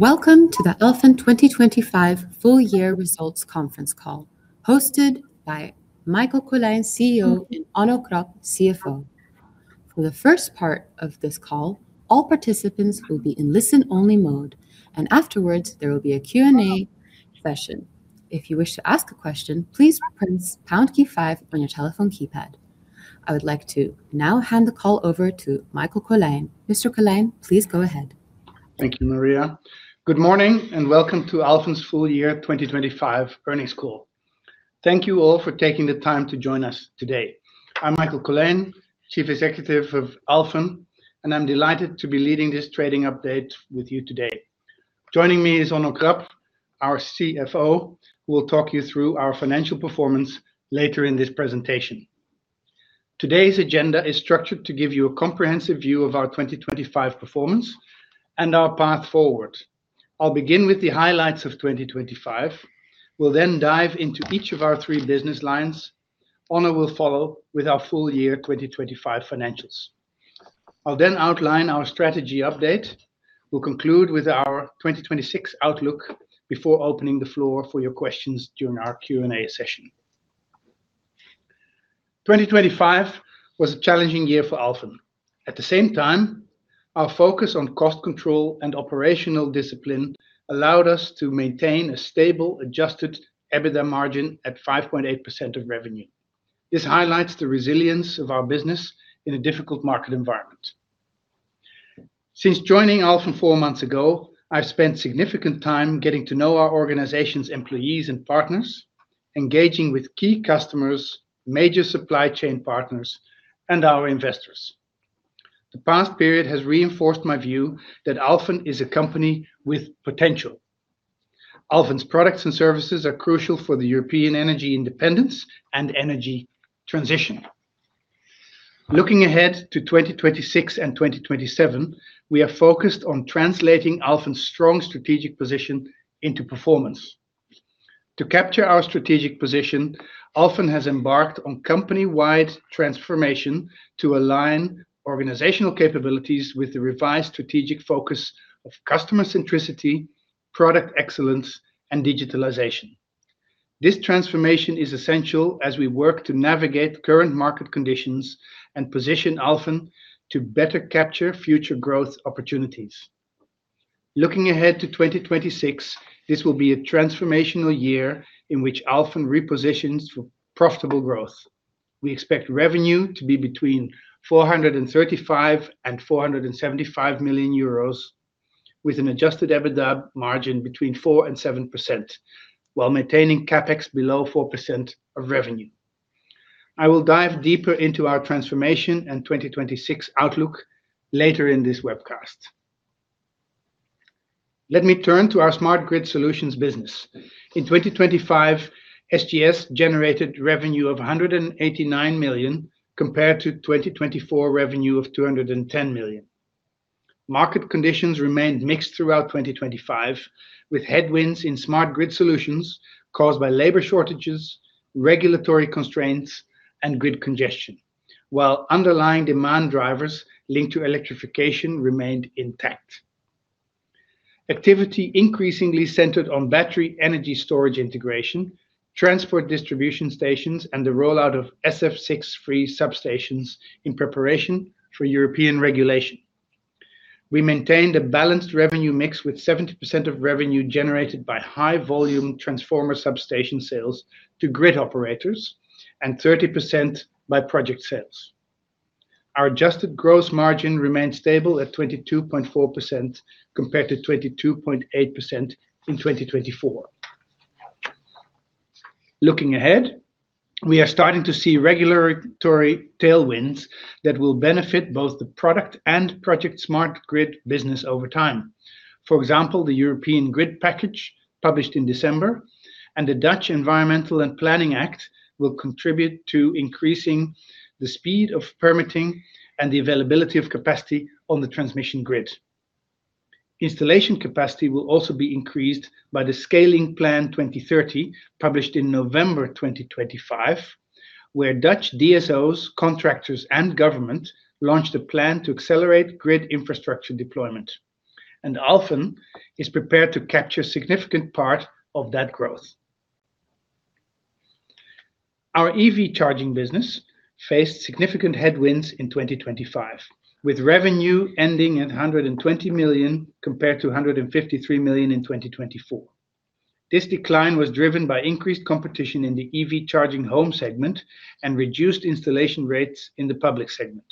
Welcome to the Alfen 2025 full year results conference call, hosted by Michael Colijn, CEO, and Onno Krap, CFO. For the first part of this call, all participants will be in listen-only mode, and afterwards there will be a Q&A session. If you wish to ask a question, please press pound key five on your telephone keypad. I would like to now hand the call over to Michael Colijn. Mr. Colijn, please go ahead. Thank you, Maria. Good morning and welcome to Alfen's Full Year 2025 Earnings Call. Thank you all for taking the time to join us today. I'm Michael Colijn, Chief Executive of Alfen, and I'm delighted to be leading this trading update with you today. Joining me is Onno Krap, our CFO, who will talk you through our financial performance later in this presentation. Today's agenda is structured to give you a comprehensive view of our 2025 performance and our path forward. I'll begin with the highlights of 2025, will then dive into each of our three business lines. Onno will follow with our full year 2025 financials. I'll then outline our strategy update, will conclude with our 2026 outlook before opening the floor for your questions during our Q&A session. 2025 was a challenging year for Alfen. At the same time, our focus on cost control and operational discipline allowed us to maintain a stable, adjusted EBITDA margin at 5.8% of revenue. This highlights the resilience of our business in a difficult market environment. Since joining Alfen four months ago, I've spent significant time getting to know our organization's employees and partners, engaging with key customers, major supply chain partners, and our investors. The past period has reinforced my view that Alfen is a company with potential. Alfen's products and services are crucial for the European energy independence and energy transition. Looking ahead to 2026 and 2027, we are focused on translating Alfen's strong strategic position into performance. To capture our strategic position, Alfen has embarked on company-wide transformation to align organizational capabilities with the revised strategic focus of customer centricity, product excellence, and digitalization. This transformation is essential as we work to navigate current market conditions and position Alfen to better capture future growth opportunities. Looking ahead to 2026, this will be a transformational year in which Alfen repositions for profitable growth. We expect revenue to be between 435 million and 475 million euros, with an adjusted EBITDA margin between 4%-7%, while maintaining CapEx below 4% of revenue. I will dive deeper into our transformation and 2026 outlook later in this webcast. Let me turn to our Smart Grid Solutions business. In 2025, SGS generated revenue of 189 million compared to 2024 revenue of 210 million. Market conditions remained mixed throughout 2025, with headwinds in Smart Grid Solutions caused by labor shortages, regulatory constraints, and grid congestion, while underlying demand drivers linked to electrification remained intact. Activity increasingly centered on battery energy storage integration, transport distribution stations, and the rollout of SF6-free substations in preparation for European regulation. We maintained a balanced revenue mix with 70% of revenue generated by high-volume transformer substation sales to grid operators and 30% by project sales. Our adjusted gross margin remained stable at 22.4% compared to 22.8% in 2024. Looking ahead, we are starting to see regulatory tailwinds that will benefit both the product and project smart grid business over time. For example, the European Grid Package, published in December, and the Dutch Environmental and Planning Act will contribute to increasing the speed of permitting and the availability of capacity on the transmission grid. Installation capacity will also be increased by the Scaling Plan 2030, published in November 2025, where Dutch DSOs, contractors, and government launched a plan to accelerate grid infrastructure deployment. Alfen is prepared to capture a significant part of that growth. Our EV Charging business faced significant headwinds in 2025, with revenue ending at 120 million compared to 153 million in 2024. This decline was driven by increased competition in the EV Charging home segment and reduced installation rates in the public segment.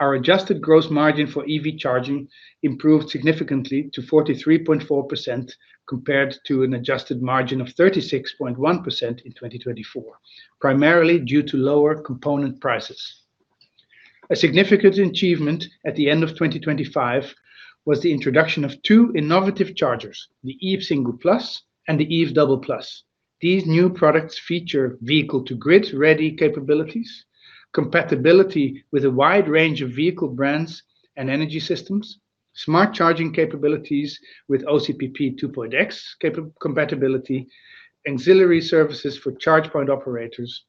Our adjusted gross margin for EV Charging improved significantly to 43.4% compared to an adjusted margin of 36.1% in 2024, primarily due to lower component prices. A significant achievement at the end of 2025 was the introduction of two innovative chargers, the EVE Single Plus and the EVE Double Plus. These new products feature vehicle-to-grid ready capabilities, compatibility with a wide range of vehicle brands and energy systems, smart charging capabilities with OCPP 2.X compatibility, auxiliary services for charge point operators,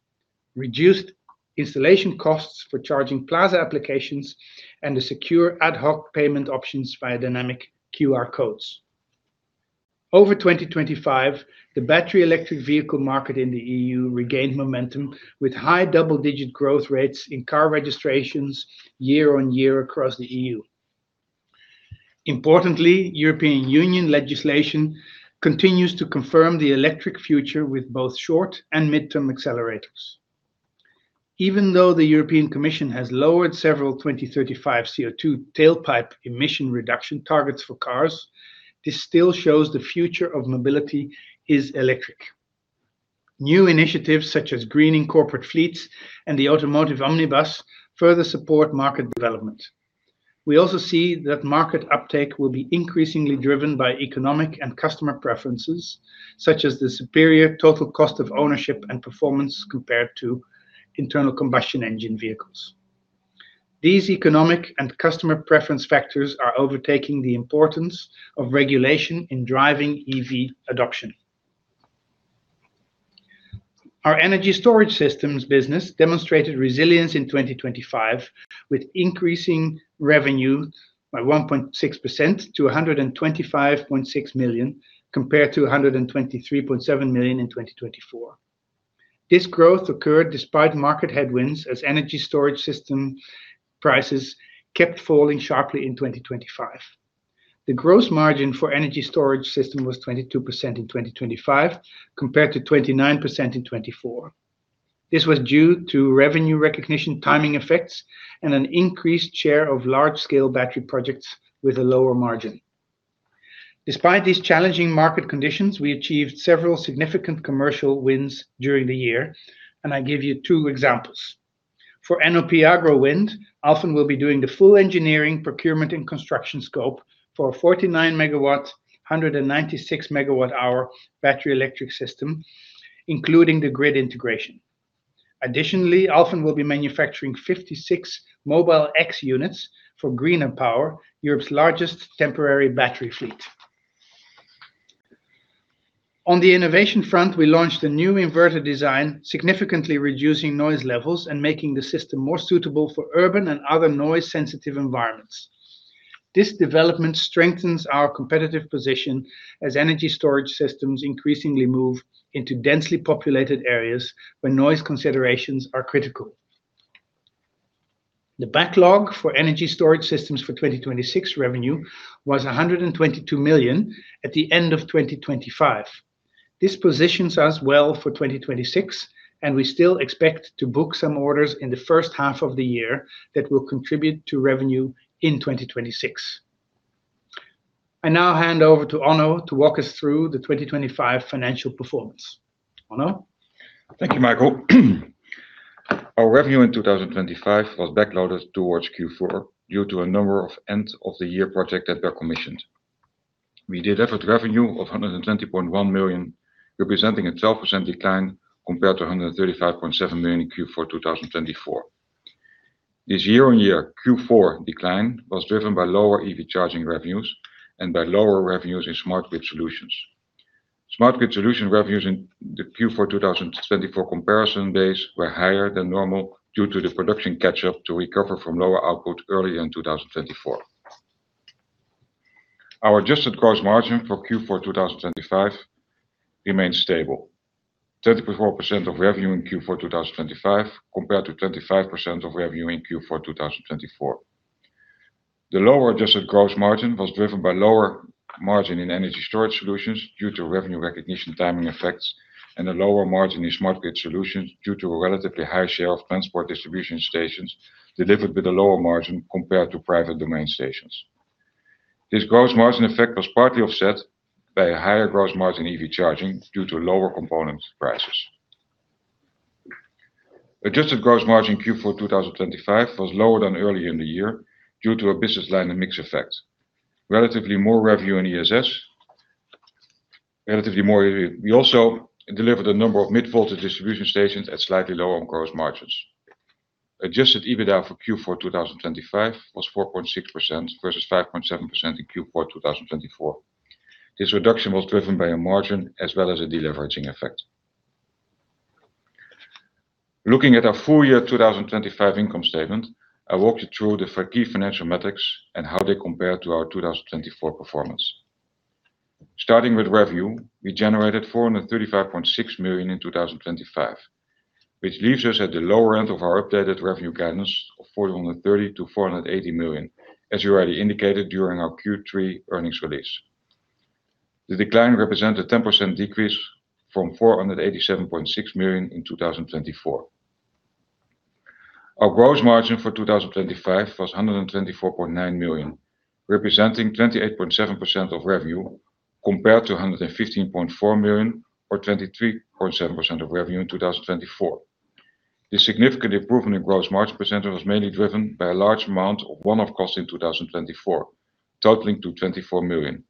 reduced installation costs for charging plaza applications, and secure ad hoc payment options via dynamic QR codes. Over 2025, the battery electric vehicle market in the E.U. regained momentum with high double-digit growth rates in car registrations year on year across the E.U., Importantly, European Union legislation continues to confirm the electric future with both short and mid-term accelerators. Even though the European Commission has lowered several 2035 CO2 tailpipe emission reduction targets for cars, this still shows the future of mobility is electric. New initiatives such as greening corporate fleets and the Automotive Omnibus further support market development. We also see that market uptake will be increasingly driven by economic and customer preferences, such as the superior total cost of ownership and performance compared to internal combustion engine vehicles. These economic and customer preference factors are overtaking the importance of regulation in driving EV adoption. Our Energy Storage Systems business demonstrated resilience in 2025 with increasing revenue by 1.6% to 125.6 million compared to 123.7 million in 2024. This growth occurred despite market headwinds as energy storage system prices kept falling sharply in 2025. The gross margin for energy storage system was 22% in 2025 compared to 29% in 2024. This was due to revenue recognition timing effects and an increased share of large-scale battery projects with a lower margin. Despite these challenging market conditions, we achieved several significant commercial wins during the year, and I give you two examples. For NOP Agrowind, Alfen will be doing the full engineering, procurement, and construction scope for a 49 MW, 196 MWh battery electric system, including the grid integration. Additionally, Alfen will be manufacturing 56 Mobile-X units for Greener Power, Europe's largest temporary battery fleet. On the innovation front, we launched a new inverter design, significantly reducing noise levels and making the system more suitable for urban and other noise-sensitive environments. This development strengthens our competitive position as Energy Storage Systems increasingly move into densely populated areas where noise considerations are critical. The backlog for Energy Storage Systems for 2026 revenue was 122 million at the end of 2025. This positions us well for 2026, and we still expect to book some orders in the first half of the year that will contribute to revenue in 2026. I now hand over to Onno to walk us through the 2025 financial performance. Onno? Thank you, Michael. Our revenue in 2025 was backloaded towards Q4 due to a number of end-of-the-year projects that were commissioned. We did average revenue of 120.1 million, representing a 12% decline compared to 135.7 million in Q4 2024. This year-on-year Q4 decline was driven by lower EV Charging revenues and by lower revenues in Smart Grid Solutions. Smart Grid Solutions revenues in the Q4 2024 comparison base were higher than normal due to the production catch-up to recover from lower output earlier in 2024. Our adjusted gross margin for Q4 2025 remained stable: 24% of revenue in Q4 2025 compared to 25% of revenue in Q4 2024. The lower adjusted gross margin was driven by lower margin in energy storage solutions due to revenue recognition timing effects and a lower margin in Smart Grid Solutions due to a relatively high share of transport distribution stations delivered with a lower margin compared to private domain stations. This gross margin effect was partly offset by a higher gross margin EV Charging due to lower component prices. Adjusted gross margin Q4 2025 was lower than earlier in the year due to a business line-and-mix effect: relatively more revenue in ESS, relatively more EV. We also delivered a number of mid-voltage distribution stations at slightly lower gross margins. Adjusted EBITDA for Q4 2025 was 4.6% versus 5.7% in Q4 2024. This reduction was driven by a margin as well as a deleveraging effect. Looking at our full year 2025 income statement, I walk you through the key financial metrics and how they compare to our 2024 performance. Starting with revenue, we generated 435.6 million in 2025, which leaves us at the lower end of our updated revenue guidance of 430 million-480 million, as you already indicated during our Q3 earnings release. The decline represented a 10% decrease from 487.6 million in 2024. Our gross margin for 2025 was 124.9 million, representing 28.7% of revenue compared to 115.4 million or 23.7% of revenue in 2024. This significant improvement in gross margin percentage was mainly driven by a large amount of one-off costs in 2024, totaling to 24 million,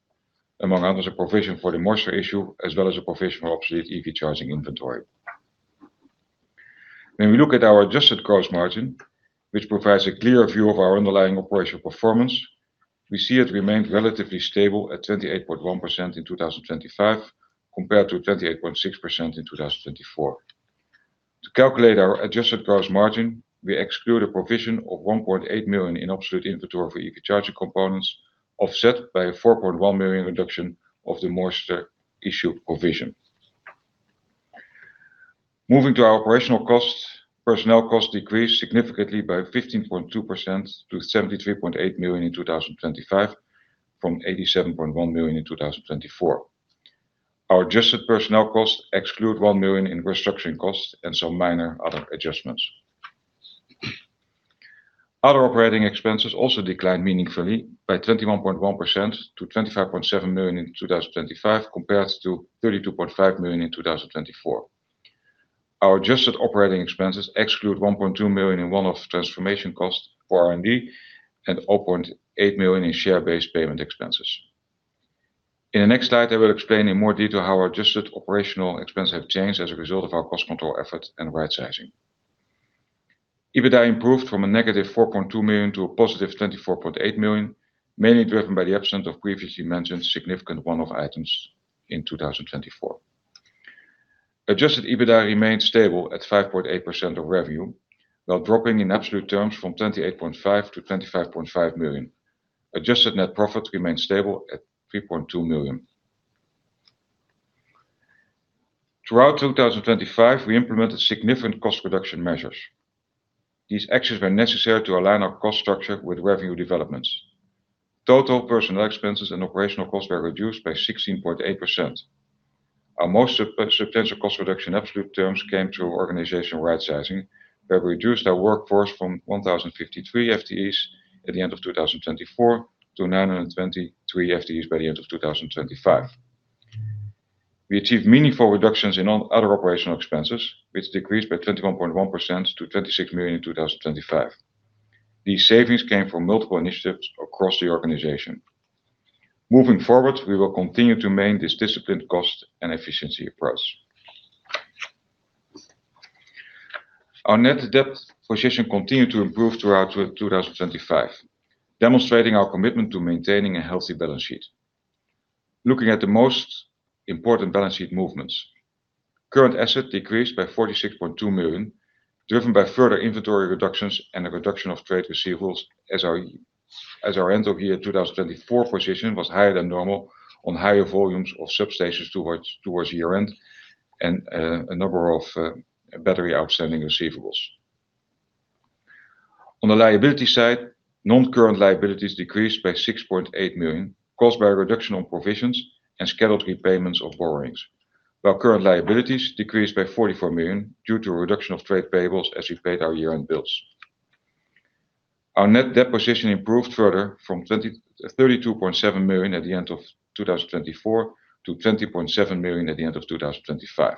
among others a provision for the moisture issue as well as a provision for obsolete EV Charging inventory. When we look at our adjusted gross margin, which provides a clear view of our underlying operational performance, we see it remained relatively stable at 28.1% in 2025 compared to 28.6% in 2024. To calculate our adjusted gross margin, we exclude a provision of 1.8 million in obsolete inventory for EV Charging components, offset by a 4.1 million reduction of the moisture issue provision. Moving to our operational costs, personnel costs decreased significantly by 15.2% to 73.8 million in 2025 from 87.1 million in 2024. Our adjusted personnel costs exclude 1 million in restructuring costs and some minor other adjustments. Other operating expenses also declined meaningfully by 21.1% to 25.7 million in 2025 compared to 32.5 million in 2024. Our adjusted operating expenses exclude 1.2 million in one-off transformation costs for R&D and 0.8 million in share-based payment expenses. In the next slide, I will explain in more detail how our adjusted operational expenses have changed as a result of our cost control efforts and right-sizing. EBITDA improved from a negative 4.2 million to a positive 24.8 million, mainly driven by the absence of previously mentioned significant one-off items in 2024. Adjusted EBITDA remained stable at 5.8% of revenue, while dropping in absolute terms from 28.5 million to 25.5 million. Adjusted net profit remained stable at 3.2 million. Throughout 2025, we implemented significant cost reduction measures. These actions were necessary to align our cost structure with revenue developments. Total personnel expenses and operational costs were reduced by 16.8%. Our most substantial cost reduction in absolute terms came through organization right-sizing, where we reduced our workforce from 1,053 FTEs at the end of 2024 to 923 FTEs by the end of 2025. We achieved meaningful reductions in other operational expenses, which decreased by 21.1% to 26 million in 2025. These savings came from multiple initiatives across the organization. Moving forward, we will continue to maintain this disciplined cost and efficiency approach. Our net debt position continued to improve throughout 2025, demonstrating our commitment to maintaining a healthy balance sheet. Looking at the most important balance sheet movements: current asset decreased by 46.2 million, driven by further inventory reductions and a reduction of trade receivables as our end-of-year 2024 position was higher than normal on higher volumes of substations towards year-end and a number of battery outstanding receivables. On the liability side, non-current liabilities decreased by 6.8 million, caused by a reduction in provisions and scheduled repayments of borrowings, while current liabilities decreased by 44 million due to a reduction of trade payables as we paid our year-end bills. Our net debt position improved further from 32.7 million at the end of 2024 to 20.7 million at the end of 2025.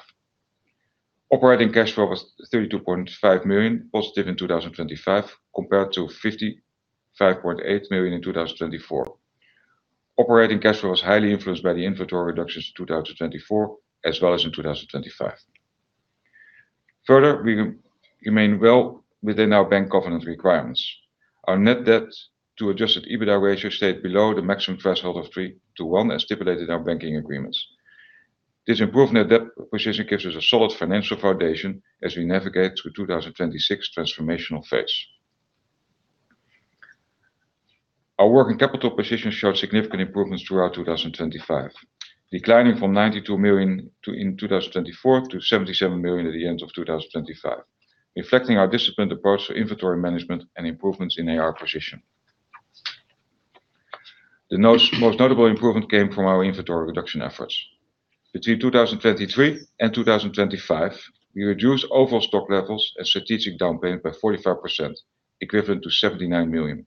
Operating cash flow was 32.5 million, positive in 2025 compared to 55.8 million in 2024. Operating cash flow was highly influenced by the inventory reductions in 2024 as well as in 2025. Further, we remain well within our bank covenant requirements. Our net debt-to-adjusted-EBITDA ratio stayed below the maximum threshold of 3 to 1, as stipulated in our banking agreements. This improved net debt position gives us a solid financial foundation as we navigate through 2026's transformational phase. Our working capital positions showed significant improvements throughout 2025, declining from 92 million in 2024 to 77 million at the end of 2025, reflecting our disciplined approach to inventory management and improvements in our position. The most notable improvement came from our inventory reduction efforts. Between 2023 and 2025, we reduced overall stock levels and strategic down payment by 45%, equivalent to 79 million.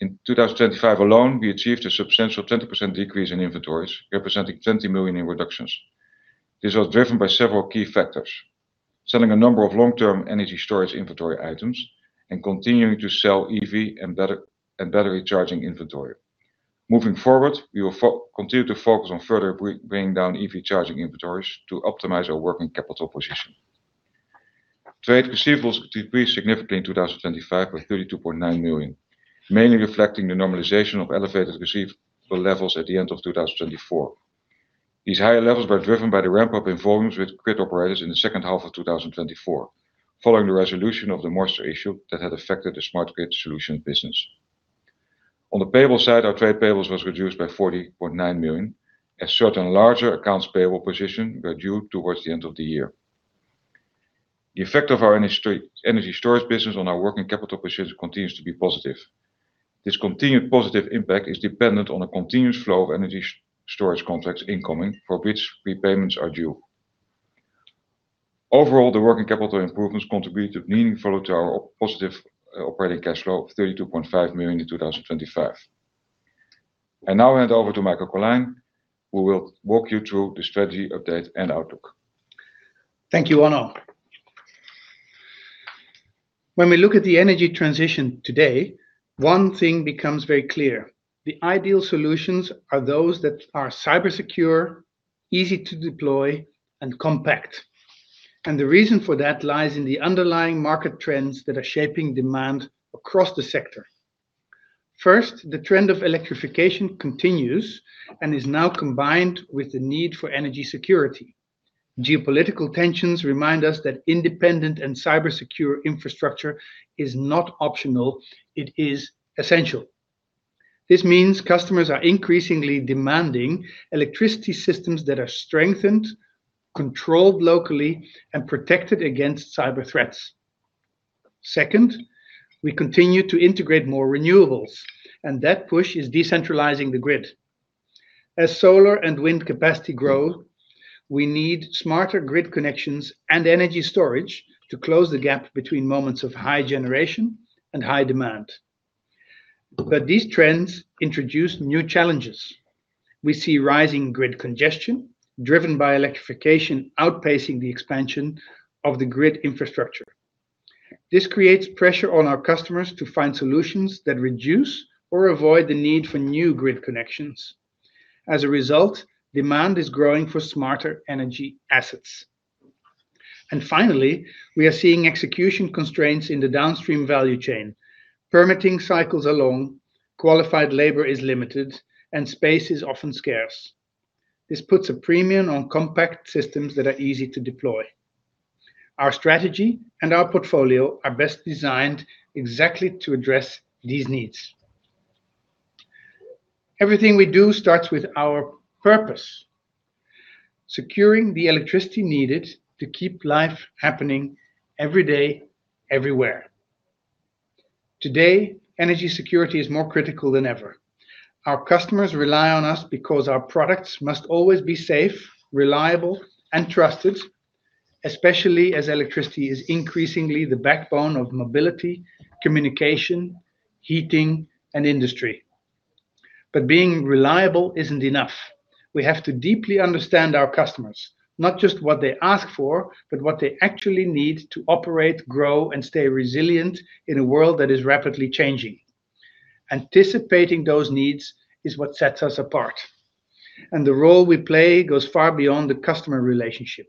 In 2025 alone, we achieved a substantial 20% decrease in inventories, representing 20 million in reductions. This was driven by several key factors: selling a number of long-term energy storage inventory items and continuing to sell EV and battery charging inventory. Moving forward, we will continue to focus on further bringing down EV Charging inventories to optimize our working capital position. Trade receivables decreased significantly in 2025 by 32.9 million, mainly reflecting the normalization of elevated receivable levels at the end of 2024. These higher levels were driven by the ramp-up in volumes with grid operators in the second half of 2024, following the resolution of the moisture issue that had affected the smart grid solution business. On the payable side, our trade payables were reduced by 40.9 million, as certain larger accounts payable positions were due towards the end of the year. The effect of our energy storage business on our working capital positions continues to be positive. This continued positive impact is dependent on a continuous flow of energy storage contracts incoming, for which repayments are due. Overall, the working capital improvements contributed meaningfully to our positive operating cash flow of 32.5 million in 2025. I now hand over to Michael Colijn, who will walk you through the strategy update and outlook. Thank you, Onno. When we look at the energy transition today, one thing becomes very clear: the ideal solutions are those that are cybersecure, easy to deploy, and compact. The reason for that lies in the underlying market trends that are shaping demand across the sector. First, the trend of electrification continues and is now combined with the need for energy security. Geopolitical tensions remind us that independent and cybersecure infrastructure is not optional. It is essential. This means customers are increasingly demanding electricity systems that are strengthened, controlled locally, and protected against cyber threats. Second, we continue to integrate more renewables, and that push is decentralizing the grid. As solar and wind capacity grow, we need smarter grid connections and energy storage to close the gap between moments of high generation and high demand. These trends introduce new challenges. We see rising grid congestion, driven by electrification outpacing the expansion of the grid infrastructure. This creates pressure on our customers to find solutions that reduce or avoid the need for new grid connections. As a result, demand is growing for smarter energy assets. Finally, we are seeing execution constraints in the downstream value chain: permitting cycles are long, qualified labor is limited, and space is often scarce. This puts a premium on compact systems that are easy to deploy. Our strategy and our portfolio are best designed exactly to address these needs. Everything we do starts with our purpose: securing the electricity needed to keep life happening every day, everywhere. Today, energy security is more critical than ever. Our customers rely on us because our products must always be safe, reliable, and trusted, especially as electricity is increasingly the backbone of mobility, communication, heating, and industry. But being reliable isn't enough. We have to deeply understand our customers, not just what they ask for, but what they actually need to operate, grow, and stay resilient in a world that is rapidly changing. Anticipating those needs is what sets us apart. And the role we play goes far beyond the customer relationship.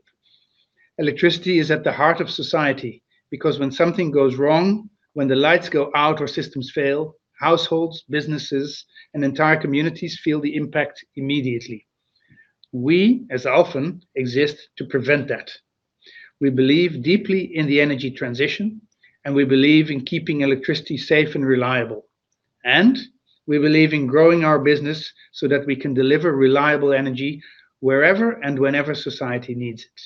Electricity is at the heart of society because when something goes wrong, when the lights go out or systems fail, households, businesses, and entire communities feel the impact immediately. We, as Alfen, exist to prevent that. We believe deeply in the energy transition, and we believe in keeping electricity safe and reliable. And we believe in growing our business so that we can deliver reliable energy wherever and whenever society needs it.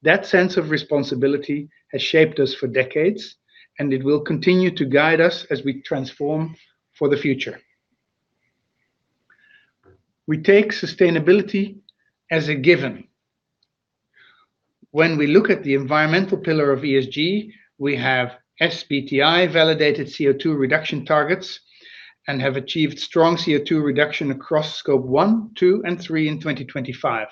That sense of responsibility has shaped us for decades, and it will continue to guide us as we transform for the future. We take sustainability as a given. When we look at the environmental pillar of ESG, we have SBTI-validated CO2 reduction targets and have achieved strong CO2 reduction across Scope one, two, and three in 2025.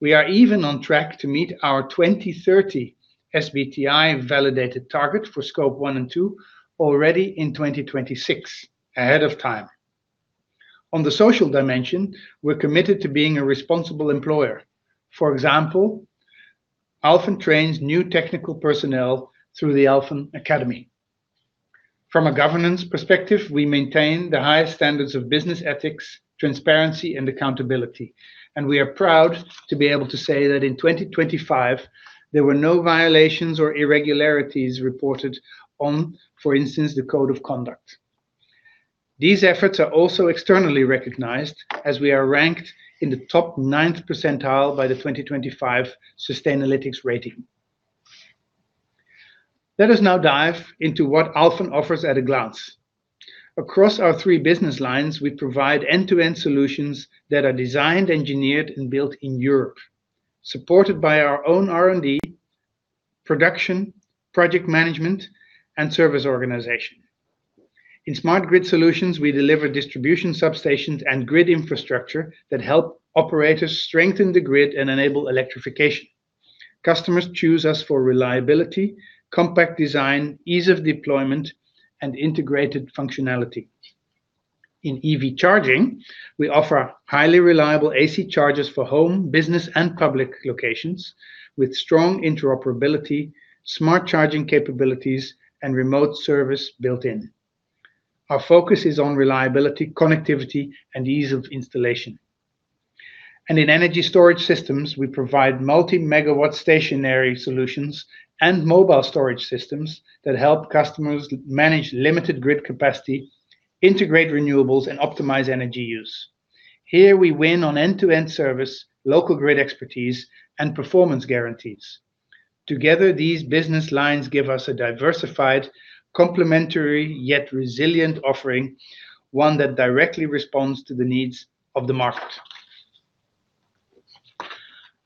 We are even on track to meet our 2030 SBTI-validated target for Scope one and two already in 2026, ahead of time. On the social dimension, we're committed to being a responsible employer. For example, Alfen trains new technical personnel through the Alfen Academy. From a governance perspective, we maintain the highest standards of business ethics, transparency, and accountability, and we are proud to be able to say that in 2025, there were no violations or irregularities reported on, for instance, the Code of Conduct. These efforts are also externally recognized, as we are ranked in the top 9th percentile by the 2025 Sustainalytics Rating. Let us now dive into what Alfen offers at a glance. Across our three business lines, we provide end-to-end solutions that are designed, engineered, and built in Europe, supported by our own R&D, production, project management, and service organization. In Smart Grid Solutions, we deliver distribution substations and grid infrastructure that help operators strengthen the grid and enable electrification. Customers choose us for reliability, compact design, ease of deployment, and integrated functionality. In EV Charging, we offer highly reliable AC chargers for home, business, and public locations, with strong interoperability, smart charging capabilities, and remote service built-in. Our focus is on reliability, connectivity, and ease of installation. And in Energy Storage Systems, we provide multi-megawatt stationary solutions and mobile storage systems that help customers manage limited grid capacity, integrate renewables, and optimize energy use. Here, we win on end-to-end service, local grid expertise, and performance guarantees. Together, these business lines give us a diversified, complementary yet resilient offering, one that directly responds to the needs of the market.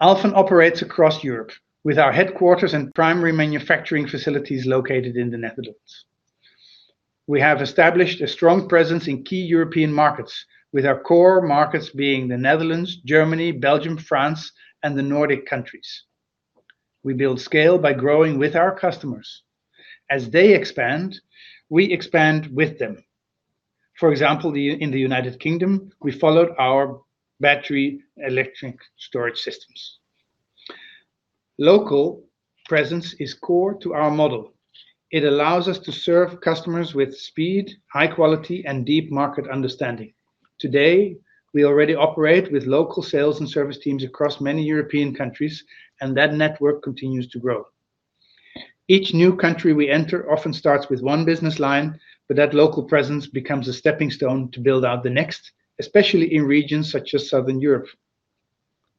Alfen operates across Europe, with our headquarters and primary manufacturing facilities located in the Netherlands. We have established a strong presence in key European markets, with our core markets being the Netherlands, Germany, Belgium, France, and the Nordic countries. We build scale by growing with our customers. As they expand, we expand with them. For example, in the United Kingdom, we followed our battery electric storage systems. Local presence is core to our model. It allows us to serve customers with speed, high quality, and deep market understanding. Today, we already operate with local sales and service teams across many European countries, and that network continues to grow. Each new country we enter often starts with one business line, but that local presence becomes a stepping stone to build out the next, especially in regions such as Southern Europe.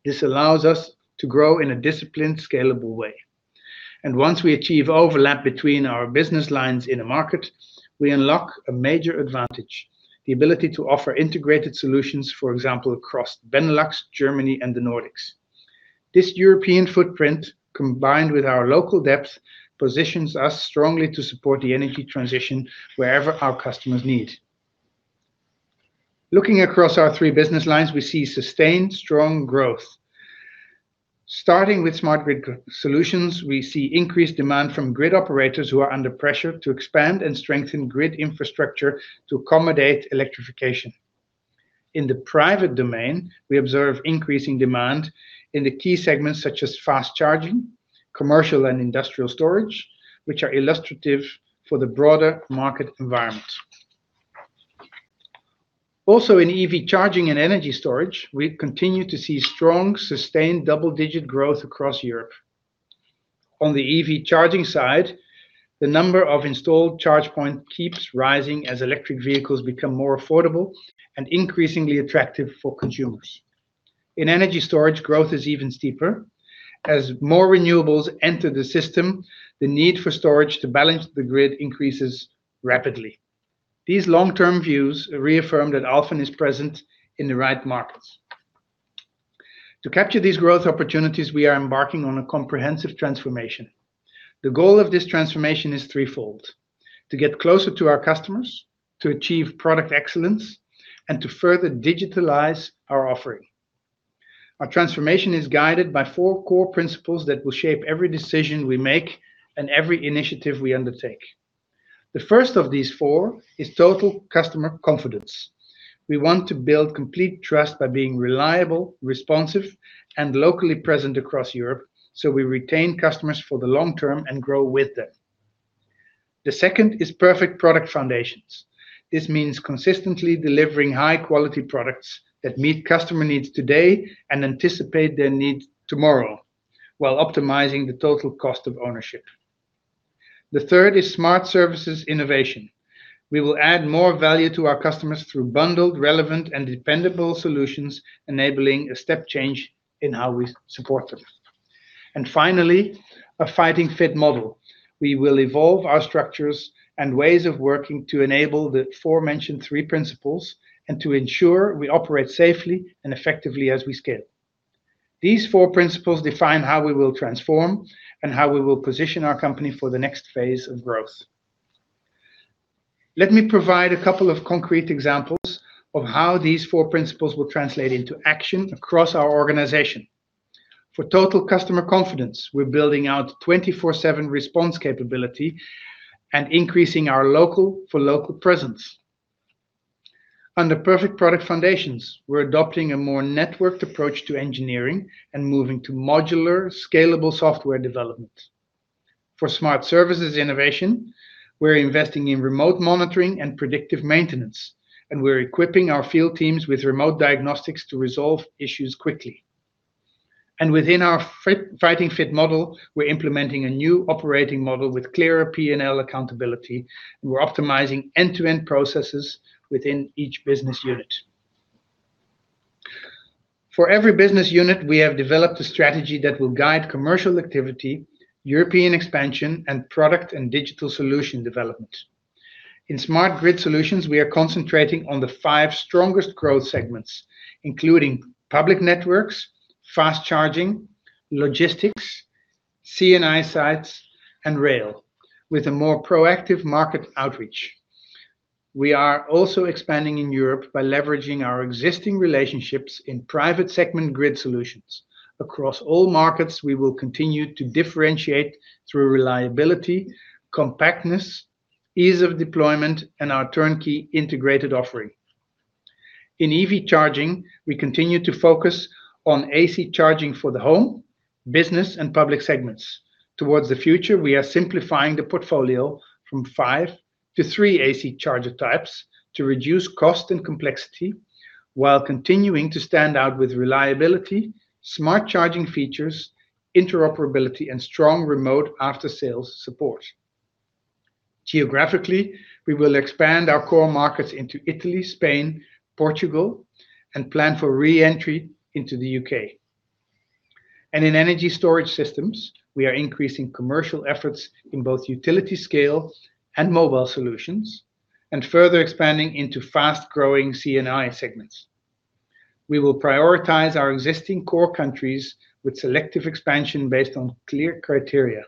This allows us to grow in a disciplined, scalable way. Once we achieve overlap between our business lines in a market, we unlock a major advantage: the ability to offer integrated solutions, for example, across Benelux, Germany, and the Nordics. This European footprint, combined with our local depth, positions us strongly to support the energy transition wherever our customers need. Looking across our three business lines, we see sustained, strong growth. Starting with Smart Grid Solutions, we see increased demand from grid operators who are under pressure to expand and strengthen grid infrastructure to accommodate electrification. In the private domain, we observe increasing demand in the key segments such as fast charging, commercial, and industrial storage, which are illustrative for the broader market environment. Also, in EV Charging and energy storage, we continue to see strong, sustained double-digit growth across Europe. On the EV Charging side, the number of installed charge points keeps rising as electric vehicles become more affordable and increasingly attractive for consumers. In energy storage, growth is even steeper. As more renewables enter the system, the need for storage to balance the grid increases rapidly. These long-term views reaffirm that Alfen is present in the right markets. To capture these growth opportunities, we are embarking on a comprehensive transformation. The goal of this transformation is threefold: to get closer to our customers, to achieve product excellence, and to further digitalize our offering. Our transformation is guided by four core principles that will shape every decision we make and every initiative we undertake. The first of these four is total customer confidence. We want to build complete trust by being reliable, responsive, and locally present across Europe so we retain customers for the long term and grow with them. The second is perfect product foundations. This means consistently delivering high-quality products that meet customer needs today and anticipate their needs tomorrow while optimizing the total cost of ownership. The third is smart services innovation. We will add more value to our customers through bundled, relevant, and dependable solutions, enabling a step change in how we support them. And finally, a fighting-fit model. We will evolve our structures and ways of working to enable the aforementioned three principles and to ensure we operate safely and effectively as we scale. These four principles define how we will transform and how we will position our company for the next phase of growth. Let me provide a couple of concrete examples of how these four principles will translate into action across our organization. For total customer confidence, we're building out 24/7 response capability and increasing our local-for-local presence. Under perfect product foundations, we're adopting a more networked approach to engineering and moving to modular, scalable software development. For smart services innovation, we're investing in remote monitoring and predictive maintenance, and we're equipping our field teams with remote diagnostics to resolve issues quickly. And within our fighting-fit model, we're implementing a new operating model with clearer P&L accountability, and we're optimizing end-to-end processes within each business unit. For every business unit, we have developed a strategy that will guide commercial activity, European expansion, and product and digital solution development. In Smart Grid Solutions, we are concentrating on the five strongest growth segments, including public networks, fast charging, logistics, C&I sites, and rail, with a more proactive market outreach. We are also expanding in Europe by leveraging our existing relationships in private-segment grid solutions. Across all markets, we will continue to differentiate through reliability, compactness, ease of deployment, and our turnkey integrated offering. In EV Charging, we continue to focus on AC charging for the home, business, and public segments. Towards the future, we are simplifying the portfolio from five to three AC charger types to reduce cost and complexity while continuing to stand out with reliability, smart charging features, interoperability, and strong remote after-sales support. Geographically, we will expand our core markets into Italy, Spain, Portugal, and plan for re-entry into the U.K., In Energy Storage Systems, we are increasing commercial efforts in both utility scale and mobile solutions, and further expanding into fast-growing C&I segments. We will prioritize our existing core countries with selective expansion based on clear criteria.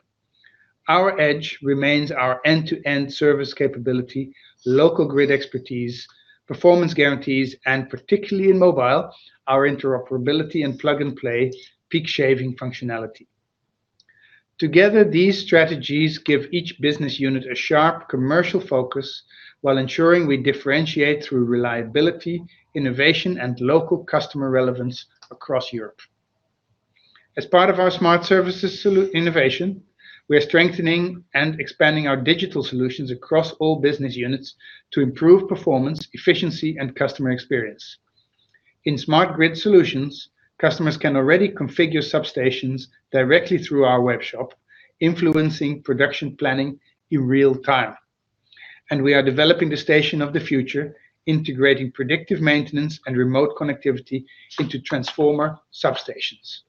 Our edge remains our end-to-end service capability, local grid expertise, performance guarantees, and particularly in mobile, our interoperability and plug-and-play peak-shaving functionality. Together, these strategies give each business unit a sharp commercial focus while ensuring we differentiate through reliability, innovation, and local customer relevance across Europe. As part of our smart services innovation, we are strengthening and expanding our digital solutions across all business units to improve performance, efficiency, and customer experience. In Smart Grid Solutions, customers can already configure substations directly through our webshop, influencing production planning in real time. We are developing the station of the future, integrating predictive maintenance and remote connectivity into transformer substations.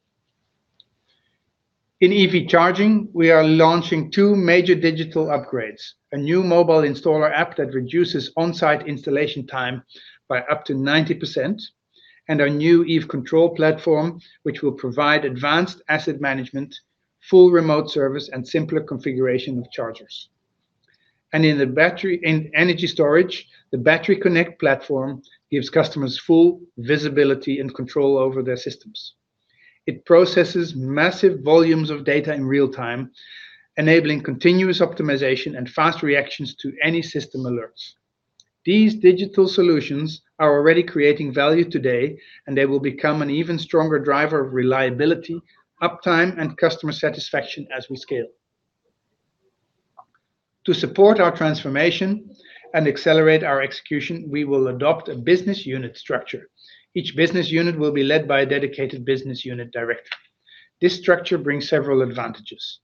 In EV Charging, we are launching two major digital upgrades: a new mobile installer app that reduces on-site installation time by up to 90%, and our new EV control platform, which will provide advanced asset management, full remote service, and simpler configuration of chargers. In energy storage, the Battery Connect platform gives customers full visibility and control over their systems. It processes massive volumes of data in real time, enabling continuous optimization and fast reactions to any system alerts. These digital solutions are already creating value today, and they will become an even stronger driver of reliability, uptime, and customer satisfaction as we scale. To support our transformation and accelerate our execution, we will adopt a business unit structure. Each business unit will be led by a dedicated business unit director. This structure brings several advantages.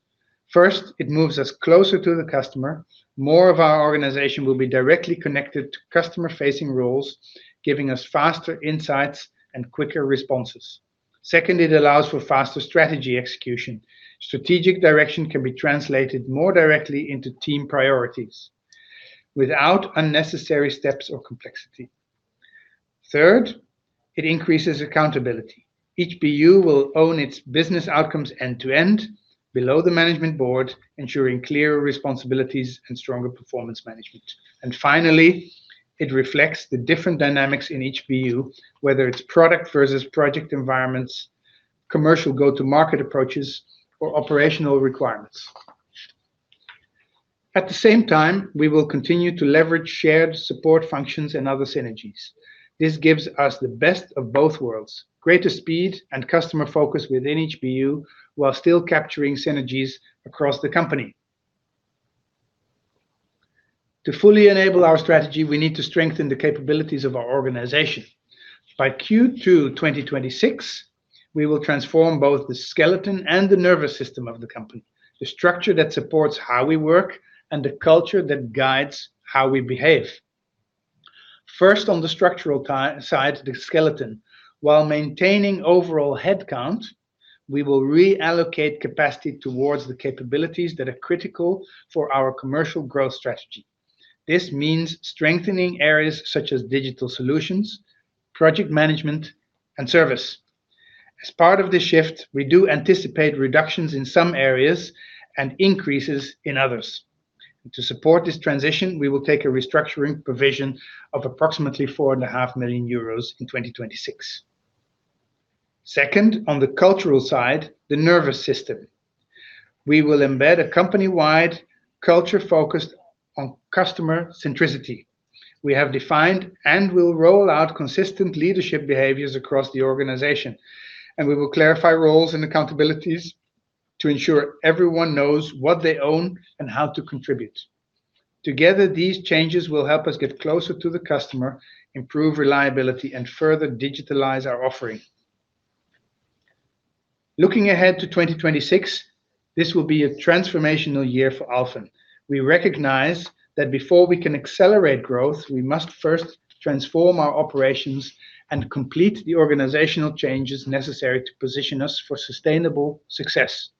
First, it moves us closer to the customer. More of our organization will be directly connected to customer-facing roles, giving us faster insights and quicker responses. Second, it allows for faster strategy execution. Strategic direction can be translated more directly into team priorities without unnecessary steps or complexity. Third, it increases accountability. Each BU will own its business outcomes end-to-end below the management board, ensuring clearer responsibilities and stronger performance management. And finally, it reflects the different dynamics in each BU, whether it's product versus project environments, commercial go-to-market approaches, or operational requirements. At the same time, we will continue to leverage shared support functions and other synergies. This gives us the best of both worlds: greater speed and customer focus within each BU while still capturing synergies across the company. To fully enable our strategy, we need to strengthen the capabilities of our organization. By Q2 2026, we will transform both the skeleton and the nervous system of the company, the structure that supports how we work and the culture that guides how we behave. First, on the structural side, the skeleton: while maintaining overall headcount, we will reallocate capacity towards the capabilities that are critical for our commercial growth strategy. This means strengthening areas such as digital solutions, project management, and service. As part of this shift, we do anticipate reductions in some areas and increases in others. To support this transition, we will take a restructuring provision of approximately 4.5 million euros in 2026. Second, on the cultural side, the nervous system: we will embed a company-wide culture focused on customer centricity. We have defined and will roll out consistent leadership behaviors across the organization, and we will clarify roles and accountabilities to ensure everyone knows what they own and how to contribute. Together, these changes will help us get closer to the customer, improve reliability, and further digitalize our offering. Looking ahead to 2026, this will be a transformational year for Alfen. We recognize that before we can accelerate growth, we must first transform our operations and complete the organizational changes necessary to position us for sustainable success.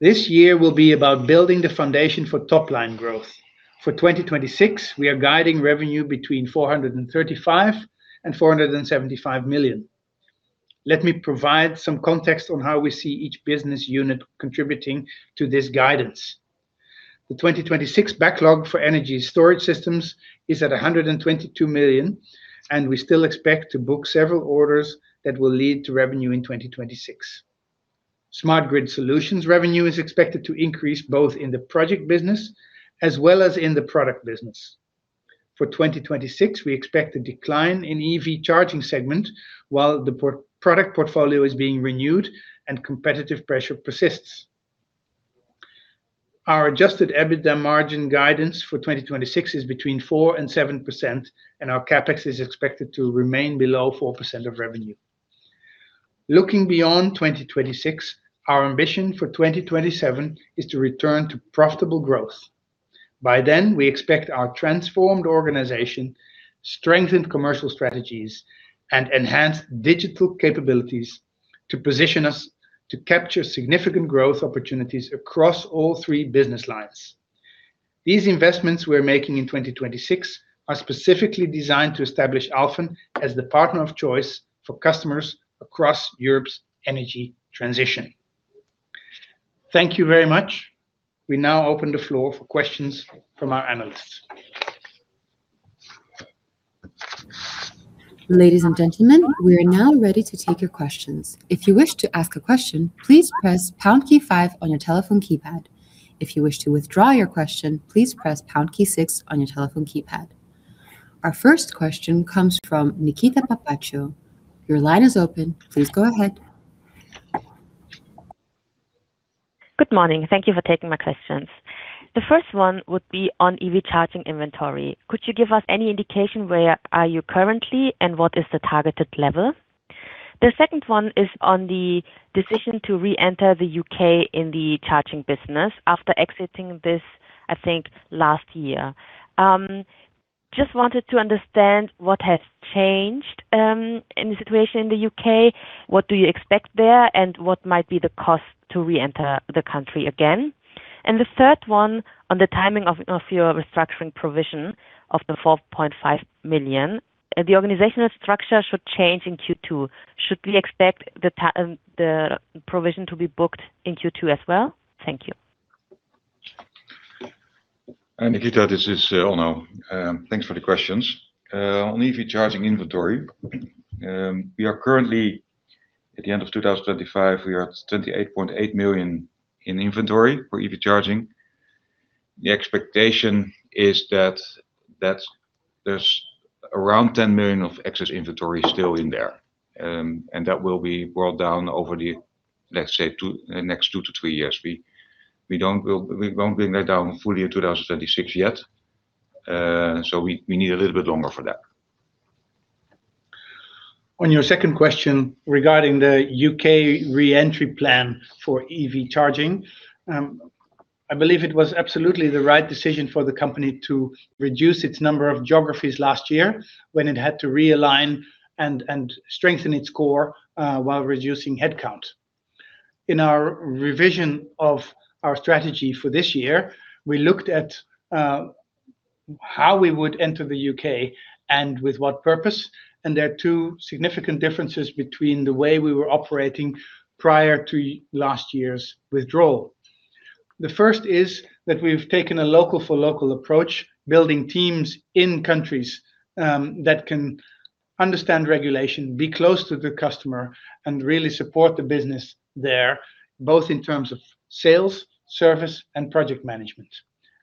This year will be about building the foundation for top-line growth. For 2026, we are guiding revenue between 435 million and 475 million. Let me provide some context on how we see each business unit contributing to this guidance. The 2026 backlog for Energy Storage Systems is at 122 million, and we still expect to book several orders that will lead to revenue in 2026. Smart grid solutions revenue is expected to increase both in the project business as well as in the product business. For 2026, we expect a decline in EV Charging segment while the product portfolio is being renewed and competitive pressure persists. Our adjusted EBITDA margin guidance for 2026 is between 4% and 7%, and our CapEx is expected to remain below 4% of revenue. Looking beyond 2026, our ambition for 2027 is to return to profitable growth. By then, we expect our transformed organization, strengthened commercial strategies, and enhanced digital capabilities to position us to capture significant growth opportunities across all three business lines. These investments we're making in 2026 are specifically designed to establish Alfen as the partner of choice for customers across Europe's energy transition. Thank you very much. We now open the floor for questions from our analysts. Ladies and gentlemen, we are now ready to take your questions. If you wish to ask a question, please press pound key five on your telephone keypad. If you wish to withdraw your question, please press pound key six on your telephone keypad. Our first question comes from Nikita Papaccio. Your line is open. Please go ahead. Good morning. Thank you for taking my questions. The first one would be on EV Charging inventory. Could you give us any indication where are you currently, and what is the targeted level? The second one is on the decision to re-enter the U.K. in the charging business after exiting this, I think, last year. Just wanted to understand what has changed in the situation in the U.K., what do you expect there, and what might be the cost to re-enter the country again? And the third one, on the timing of your restructuring provision of 4.5 million, the organizational structure should change in Q2. Should we expect the provision to be booked in Q2 as well? Thank you. Nikita, this is Onno. Thanks for the questions. On EV Charging inventory, we are currently at the end of 2025, we are at 28.8 million in inventory for EV Charging. The expectation is that there's around 10 million of excess inventory still in there, and that will be brought down over the, let's say, next two-three years. We won't bring that down fully in 2026 yet, so we need a little bit longer for that. On your second question regarding the U.K. re-entry plan for EV Charging, I believe it was absolutely the right decision for the company to reduce its number of geographies last year when it had to realign and strengthen its core while reducing headcount. In our revision of our strategy for this year, we looked at how we would enter the U.K. and with what purpose, and there are two significant differences between the way we were operating prior to last year's withdrawal. The first is that we've taken a local-for-local approach, building teams in countries that can understand regulation, be close to the customer, and really support the business there, both in terms of sales, service, and project management.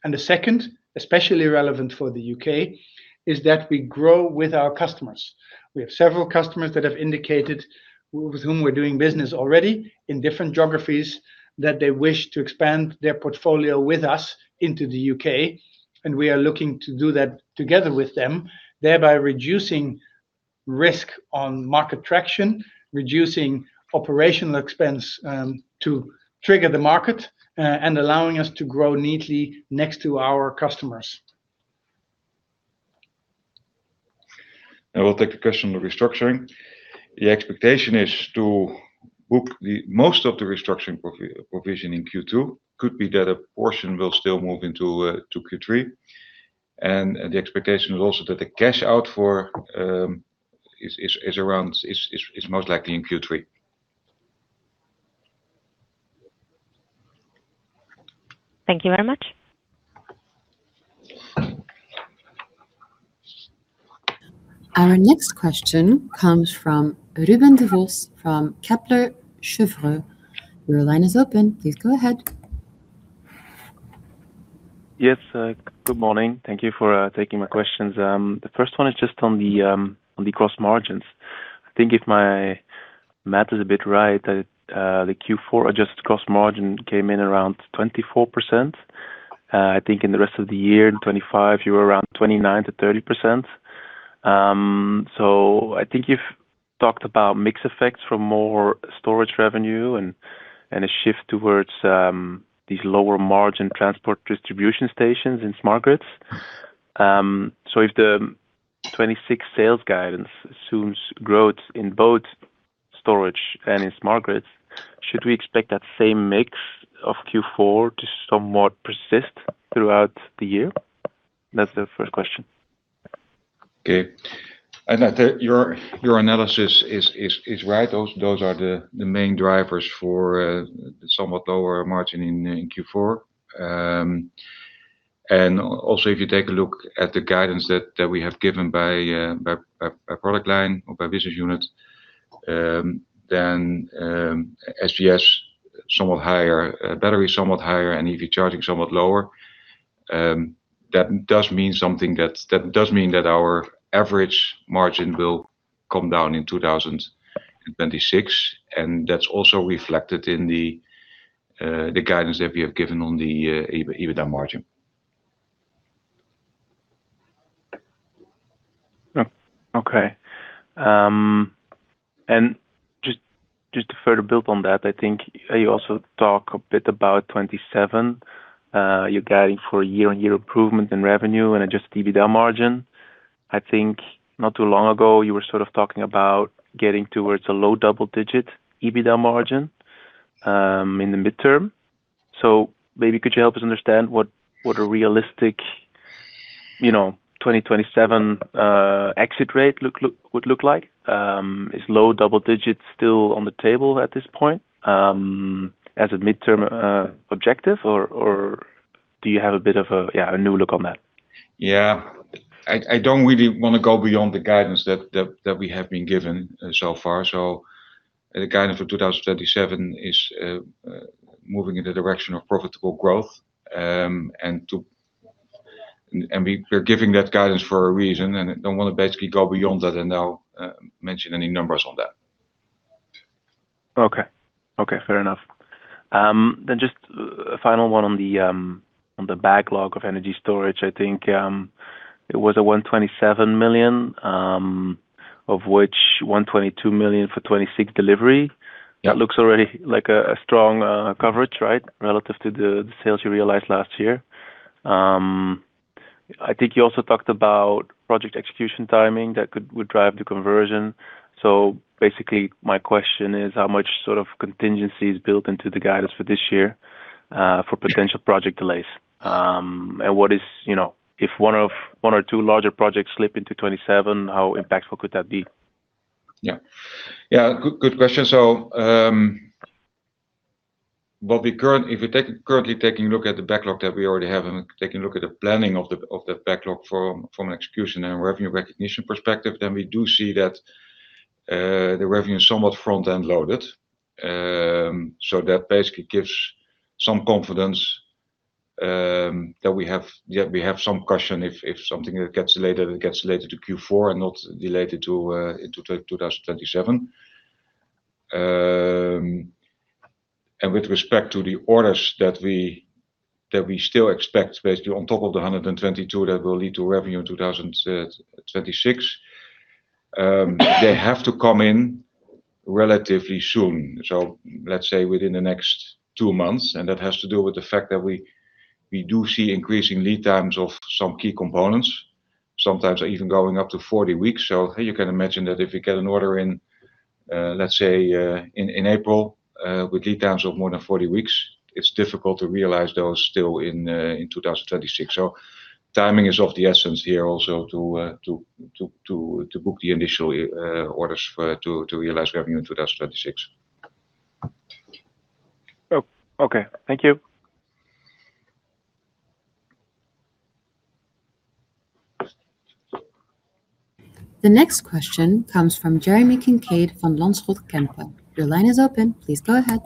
The second, especially relevant for the U.K., is that we grow with our customers. We have several customers that have indicated with whom we're doing business already in different geographies that they wish to expand their portfolio with us into the U.K., and we are looking to do that together with them, thereby reducing risk on market traction, reducing operational expense to trigger the market, and allowing us to grow neatly next to our customers. I will take a question on restructuring. The expectation is to book most of the restructuring provision in Q2. Could be that a portion will still move into Q3. The expectation is also that the cash out is most likely in Q3. Thank you very much. Our next question comes from Ruben Devos from Kepler Cheuvreux. Your line is open. Please go ahead. Yes. Good morning. Thank you for taking my questions. The first one is just on the cross margins. I think if my math is a bit right, the Q4 adjusted gross margin came in around 24%. I think in the rest of the year, in 2025, you were around 29%-30%. So I think you've talked about mixed effects from more storage revenue and a shift towards these lower-margin transport distribution stations in smart grids. So if the 2026 sales guidance assumes growth in both storage and in smart grids, should we expect that same mix of Q4 to somewhat persist throughout the year? That's the first question. Okay. And your analysis is right. Those are the main drivers for somewhat lower margin in Q4. And also, if you take a look at the guidance that we have given by product line or by business unit, then SGS somewhat higher, battery somewhat higher, and EV Charging somewhat lower. That does mean something. That does mean that our average margin will come down in 2026, and that's also reflected in the guidance that we have given on the EBITDA margin. Okay. Just to further build on that, I think you also talk a bit about 2027, your guiding for year-on-year improvement in revenue and adjusted EBITDA margin. I think not too long ago, you were sort of talking about getting towards a low double-digit EBITDA margin in the midterm. So maybe could you help us understand what a realistic 2027 exit rate would look like? Is low double-digit still on the table at this point as a midterm objective, or do you have a bit of a new look on that? Yeah. I don't really want to go beyond the guidance that we have been given so far. So the guidance for 2027 is moving in the direction of profitable growth, and we're giving that guidance for a reason. And I don't want to basically go beyond that and now mention any numbers on that. Okay. Okay. Fair enough. Then just a final one on the backlog of energy storage. I think it was 127 million, of which 122 million for 2026 delivery. That looks already like a strong coverage, right, relative to the sales you realized last year. I think you also talked about project execution timing that would drive the conversion. So basically, my question is how much sort of contingency is built into the guidance for this year for potential project delays? And if one or two larger projects slip into 2027, how impactful could that be? Yeah. Yeah. Good question. So if we're currently taking a look at the backlog that we already have and taking a look at the planning of the backlog from an execution and revenue recognition perspective, then we do see that the revenue is somewhat front-end loaded. So that basically gives some confidence that we have some caution if something that gets delayed, that it gets delayed to Q4 and not delayed into 2027. And with respect to the orders that we still expect, basically on top of the 122 that will lead to revenue in 2026, they have to come in relatively soon, so let's say within the next two months. And that has to do with the fact that we do see increasing lead times of some key components, sometimes even going up to 40 weeks. So you can imagine that if you get an order in, let's say, in April with lead times of more than 40 weeks, it's difficult to realize those still in 2026. So timing is of the essence here also to book the initial orders to realize revenue in 2026. Okay. Thank you. The next question comes from Jeremy Kincaid, Van Lanschot Kempen. Your line is open. Please go ahead.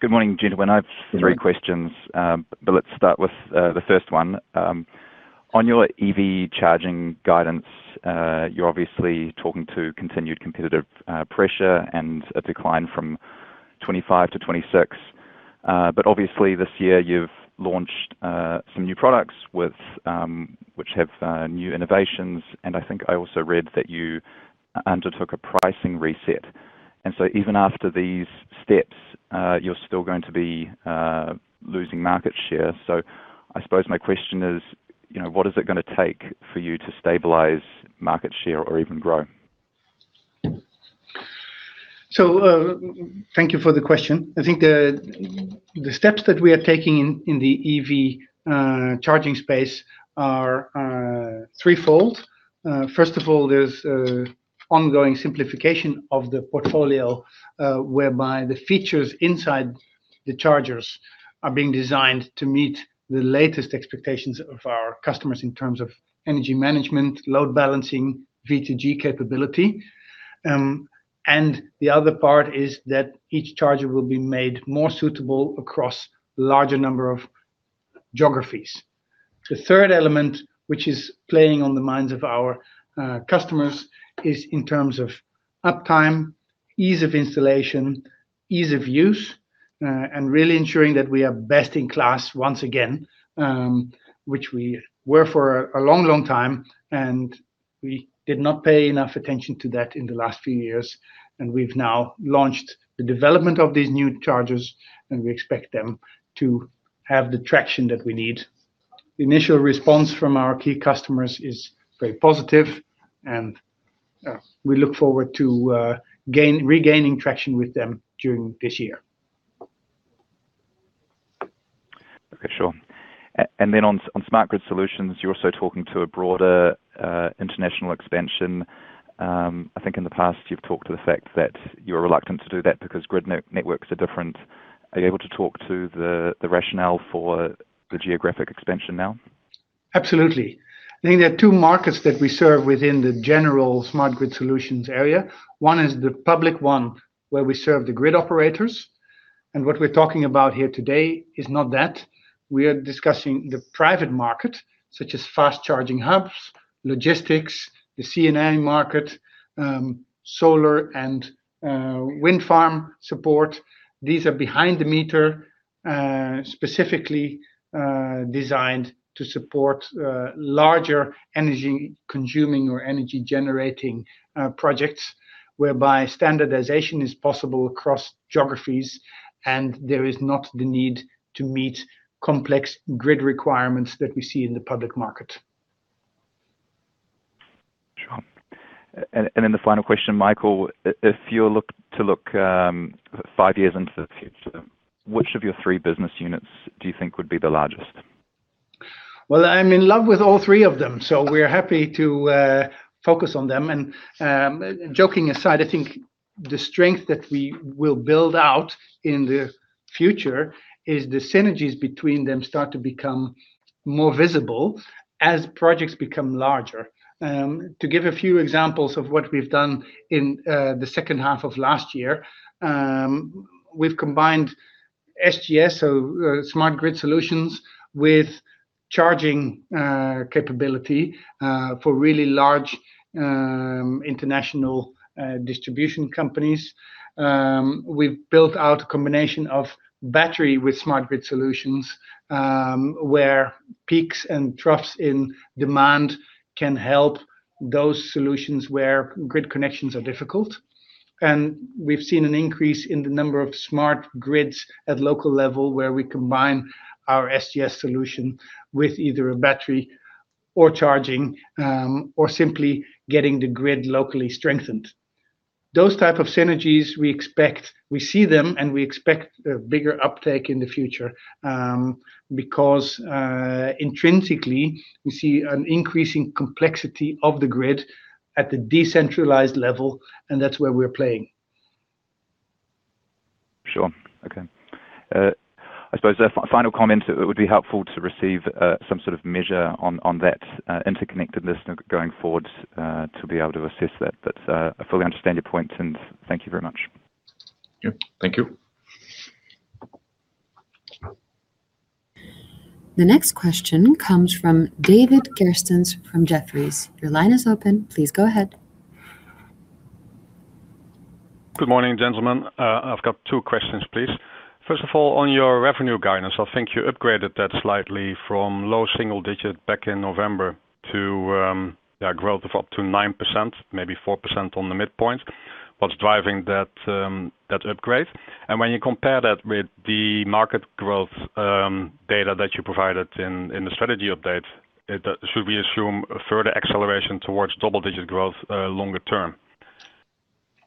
Good morning, Gentlemen. I have three questions, but let's start with the first one. On your EV Charging guidance, you're obviously talking to continued competitive pressure and a decline from 2025-2026. But obviously, this year, you've launched some new products which have new innovations. And I think I also read that you undertook a pricing reset. And so even after these steps, you're still going to be losing market share. So I suppose my question is, what is it going to take for you to stabilize market share or even grow? So thank you for the question. I think the steps that we are taking in the EV Charging space are threefold. First of all, there's ongoing simplification of the portfolio whereby the features inside the chargers are being designed to meet the latest expectations of our customers in terms of energy management, load balancing, V2G capability. And the other part is that each charger will be made more suitable across a larger number of geographies. The third element, which is playing on the minds of our customers, is in terms of uptime, ease of installation, ease of use, and really ensuring that we are best in class once again, which we were for a long, long time. We did not pay enough attention to that in the last few years. We've now launched the development of these new chargers, and we expect them to have the traction that we need. The initial response from our key customers is very positive, and we look forward to regaining traction with them during this year. Okay. Sure. And then on Smart Grid Solutions, you're also talking to a broader international expansion. I think in the past, you've talked to the fact that you're reluctant to do that because grid networks are different. Are you able to talk to the rationale for the geographic expansion now? Absolutely. I think there are two markets that we serve within the general Smart Grid Solutions area. One is the public one where we serve the grid operators. What we're talking about here today is not that. We are discussing the private market such as fast charging hubs, logistics, the CNA market, solar and wind farm support. These are behind-the-meter specifically designed to support larger energy-consuming or energy-generating projects whereby standardization is possible across geographies, and there is not the need to meet complex grid requirements that we see in the public market. Sure. And then the final question, Michael. If you were to look five years into the future, which of your three business units do you think would be the largest? Well, I'm in love with all three of them, so we're happy to focus on them. And joking aside, I think the strength that we will build out in the future is the synergies between them start to become more visible as projects become larger. To give a few examples of what we've done in the second half of last year, we've combined SGS, so Smart Grid Solutions, with charging capability for really large international distribution companies. We've built out a combination of battery with Smart Grid Solutions where peaks and troughs in demand can help those solutions where grid connections are difficult. And we've seen an increase in the number of Smart Grids at local level where we combine our SGS solution with either a battery or charging or simply getting the grid locally strengthened. Those types of synergies, we see them, and we expect a bigger uptake in the future because intrinsically, we see an increasing complexity of the grid at the decentralized level, and that's where we're playing. Sure. Okay. I suppose a final comment: it would be helpful to receive some sort of measure on that interconnectedness going forward to be able to assess that. But I fully understand your point, and thank you very much. Yeah. Thank you. The next question comes from David Kerstens from Jefferies. Your line is open. Please go ahead. Good morning, gentlemen. I've got two questions, please. First of all, on your revenue guidance, I think you upgraded that slightly from low single-digit back in November to growth of up to 9%, maybe 4% on the midpoint. What's driving that upgrade? And when you compare that with the market growth data that you provided in the strategy update, should we assume a further acceleration towards double-digit growth longer term?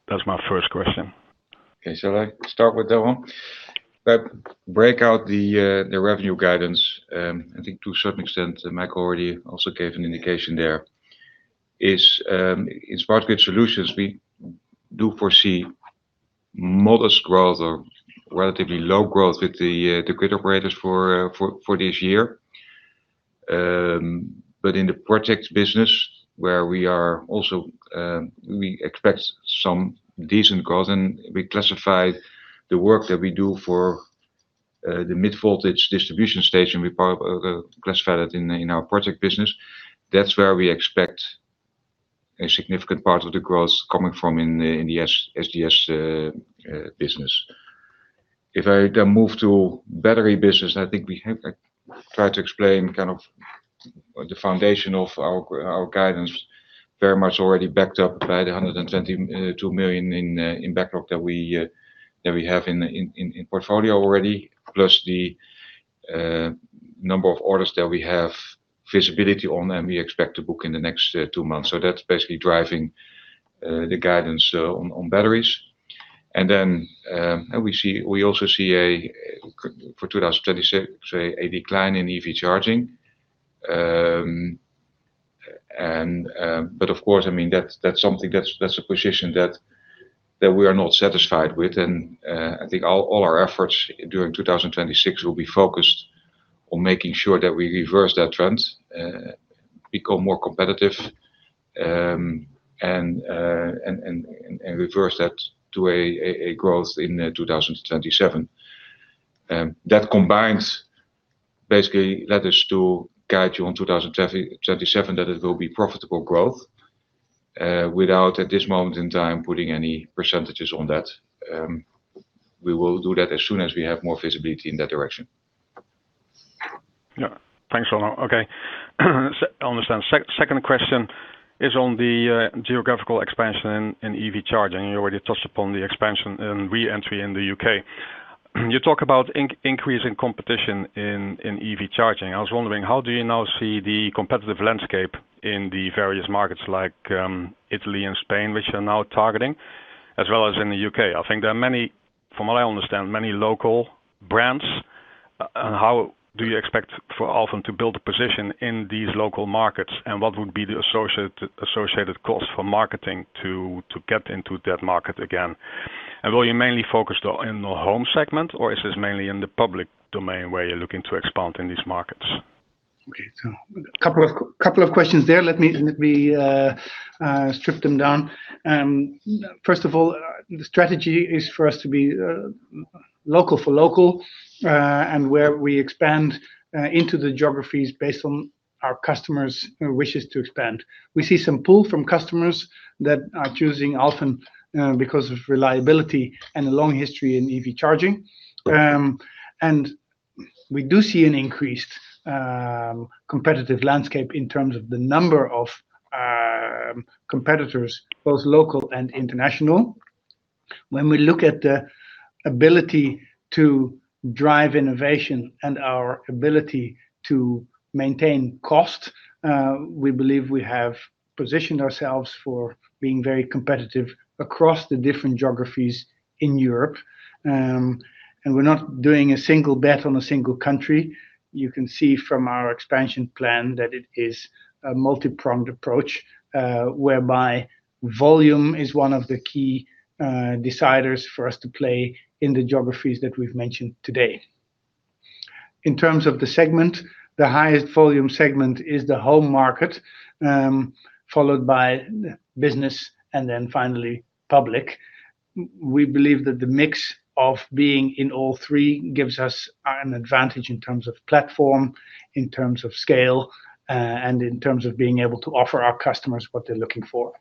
That's my first question. Okay. Shall I start with that one? Break out the revenue guidance. I think to a certain extent, Michael already also gave an indication there. In Smart Grid Solutions, we do foresee modest growth or relatively low growth with the grid operators for this year. But in the project business, where we also expect some decent growth. And we classify the work that we do for the mid-voltage distribution station. We classify that in our project business. That's where we expect a significant part of the growth coming from in the SGS business. If I then move to battery business, I think I tried to explain kind of the foundation of our guidance very much already backed up by the 122 million in backlog that we have in portfolio already, plus the number of orders that we have visibility on, and we expect to book in the next two months. So that's basically driving the guidance on batteries. And then we also see, for 2026, a decline in EV Charging. But of course, I mean, that's something that's a position that we are not satisfied with. And I think all our efforts during 2026 will be focused on making sure that we reverse that trend, become more competitive, and reverse that to a growth in 2027. That combined basically led us to guide you on 2027 that it will be profitable growth without, at this moment in time, putting any percentages on that. We will do that as soon as we have more visibility in that direction. Yeah. Thanks, Onno. Okay. I understand. Second question is on the geographical expansion in EV Charging. You already touched upon the expansion and re-entry in the U.K., You talk about increasing competition in EV Charging. I was wondering, how do you now see the competitive landscape in the various markets like Italy and Spain, which you're now targeting, as well as in the U.K.? I think there are many, from what I understand, many local brands. And how do you expect for Alfen to build a position in these local markets, and what would be the associated cost for marketing to get into that market again? And will you mainly focus in the home segment, or is this mainly in the public domain where you're looking to expand in these markets? Okay. So a couple of questions there. Let me strip them down. First of all, the strategy is for us to be local for local and where we expand into the geographies based on our customers' wishes to expand. We see some pull from customers that are choosing Alfen because of reliability and a long history in EV Charging. We do see an increased competitive landscape in terms of the number of competitors, both local and international. When we look at the ability to drive innovation and our ability to maintain cost, we believe we have positioned ourselves for being very competitive across the different geographies in Europe. We're not doing a single bet on a single country. You can see from our expansion plan that it is a multi-pronged approach whereby volume is one of the key deciders for us to play in the geographies that we've mentioned today. In terms of the segment, the highest volume segment is the home market followed by business and then finally public. We believe that the mix of being in all three gives us an advantage in terms of platform, in terms of scale, and in terms of being able to offer our customers what they're looking for.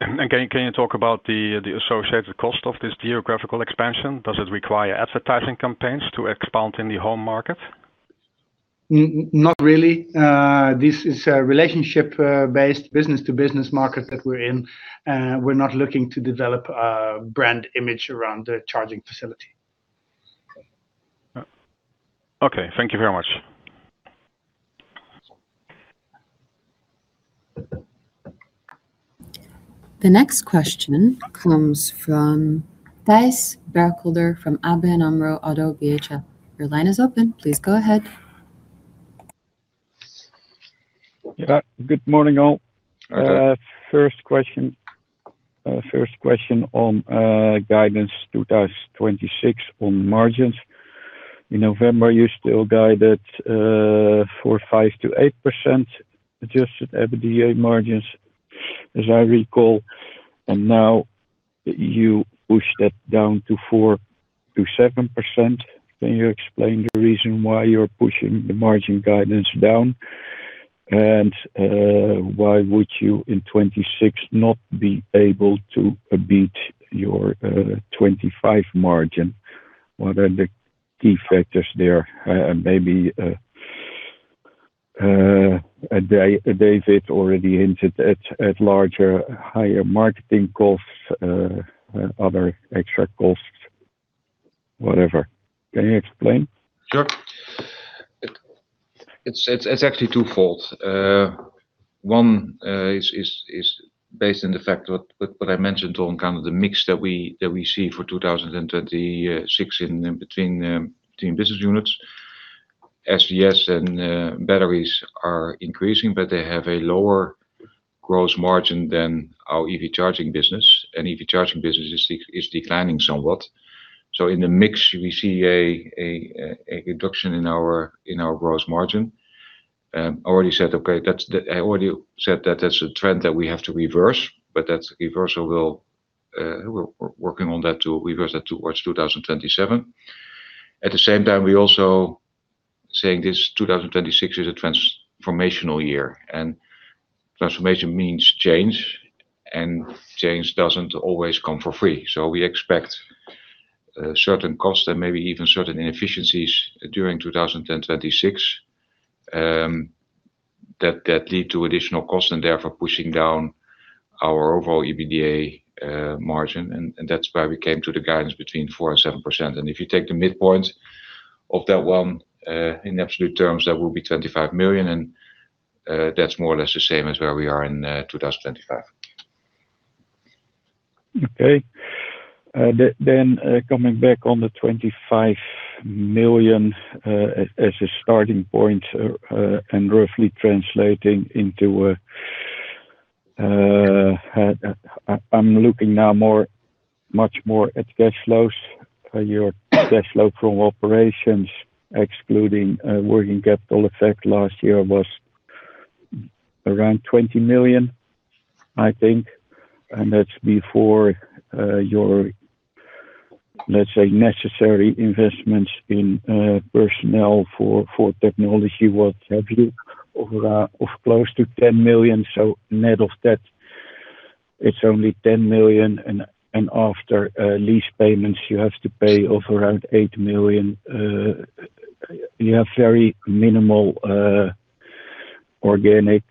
And can you talk about the associated cost of this geographical expansion? Does it require advertising campaigns to expand in the home market? Not really. This is a relationship-based business-to-business market that we're in. We're not looking to develop a brand image around the charging facility. Okay. Thank you very much. The next question comes from Thijs Berkelder from ABN AMRO ODDO BHF. Your line is open. Please go ahead. Yeah. Good morning, Onno. First question on guidance 2026 on margins. In November, you still guided 4.5%-8% adjusted EBITDA margins, as I recall. And now, you pushed that down to 4%-7%. Can you explain the reason why you're pushing the margin guidance down? And why would you, in 2026, not be able to beat your 2025 margin? What are the key factors there? And maybe David already hinted at larger, higher marketing costs, other extra costs, whatever. Can you explain? Sure. It's actually twofold. One is based in the fact, what I mentioned, Onno, kind of the mix that we see for 2026 in between business units. SGS and batteries are increasing, but they have a lower gross margin than our EV Charging business. And EV Charging business is declining somewhat. So in the mix, we see a reduction in our gross margin. I already said, "Okay." I already said that that's a trend that we have to reverse, but that reversal will we're working on that to reverse that towards 2027. At the same time, we're also saying this 2026 is a transformational year. Transformation means change, and change doesn't always come for free. So we expect certain costs and maybe even certain inefficiencies during 2026 that lead to additional costs and therefore pushing down our overall EBITDA margin. That's why we came to the guidance between 4%-7%. If you take the midpoint of that one in absolute terms, that will be 25 million. That's more or less the same as where we are in 2025. Okay. Then coming back on the 25 million as a starting point and roughly translating into I'm looking now much more at cash flows. Your cash flow from operations, excluding working capital effect last year, was around 20 million, I think. That's before your, let's say, necessary investments in personnel for technology, what have you, of close to 10 million. So net of that, it's only 10 million. And after lease payments, you have to pay off around 8 million. You have very minimal organic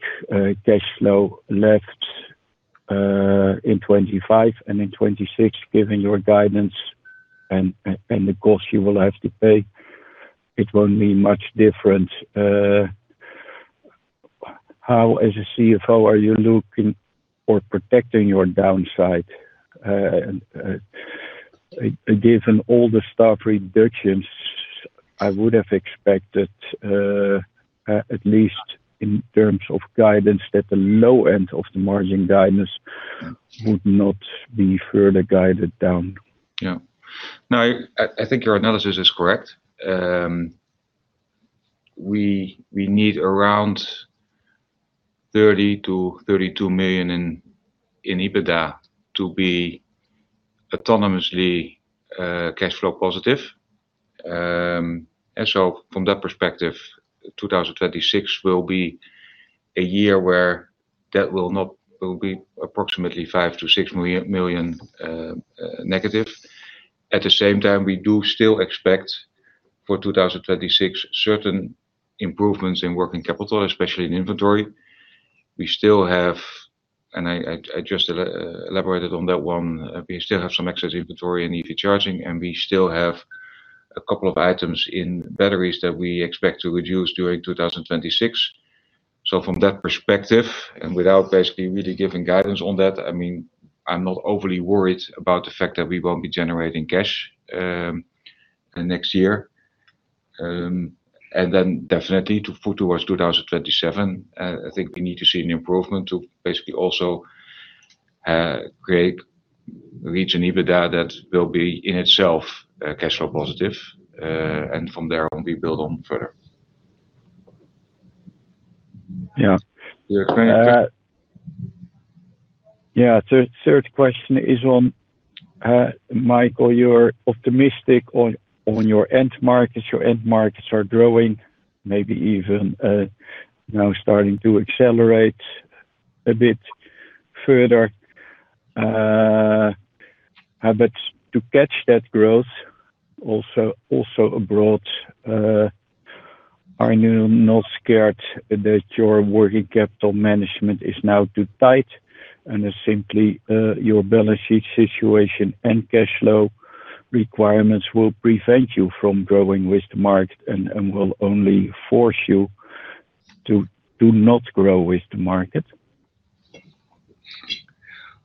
cash flow left in 2025. And in 2026, given your guidance and the costs you will have to pay, it won't be much different. How, as a CFO, are you looking or protecting your downside? Given all the staff reductions, I would have expected, at least in terms of guidance, that the low end of the margin guidance would not be further guided down. Yeah. No, I think your analysis is correct. We need around 30 million-32 million in EBITDA to be autonomously cash flow positive. And so from that perspective, 2026 will be a year where that will be approximately negative 5 million-6 million. At the same time, we do still expect for 2026 certain improvements in working capital, especially in inventory. We still have and I just elaborated on that one. We still have some excess inventory in EV Charging, and we still have a couple of items in batteries that we expect to reduce during 2026. So from that perspective and without basically really giving guidance on that, I mean, I'm not overly worried about the fact that we won't be generating cash next year. And then definitely to put towards 2027, I think we need to see an improvement to basically also reach an EBITDA that will be in itself cash flow positive. And from there, we build on further. Yeah. Yeah. Third question is on, Michael, you're optimistic on your end markets. Your end markets are growing, maybe even now starting to accelerate a bit further. But to catch that growth, also abroad, are you not scared that your working capital management is now too tight and that simply your balance sheet situation and cash flow requirements will prevent you from growing with the market and will only force you to not grow with the market?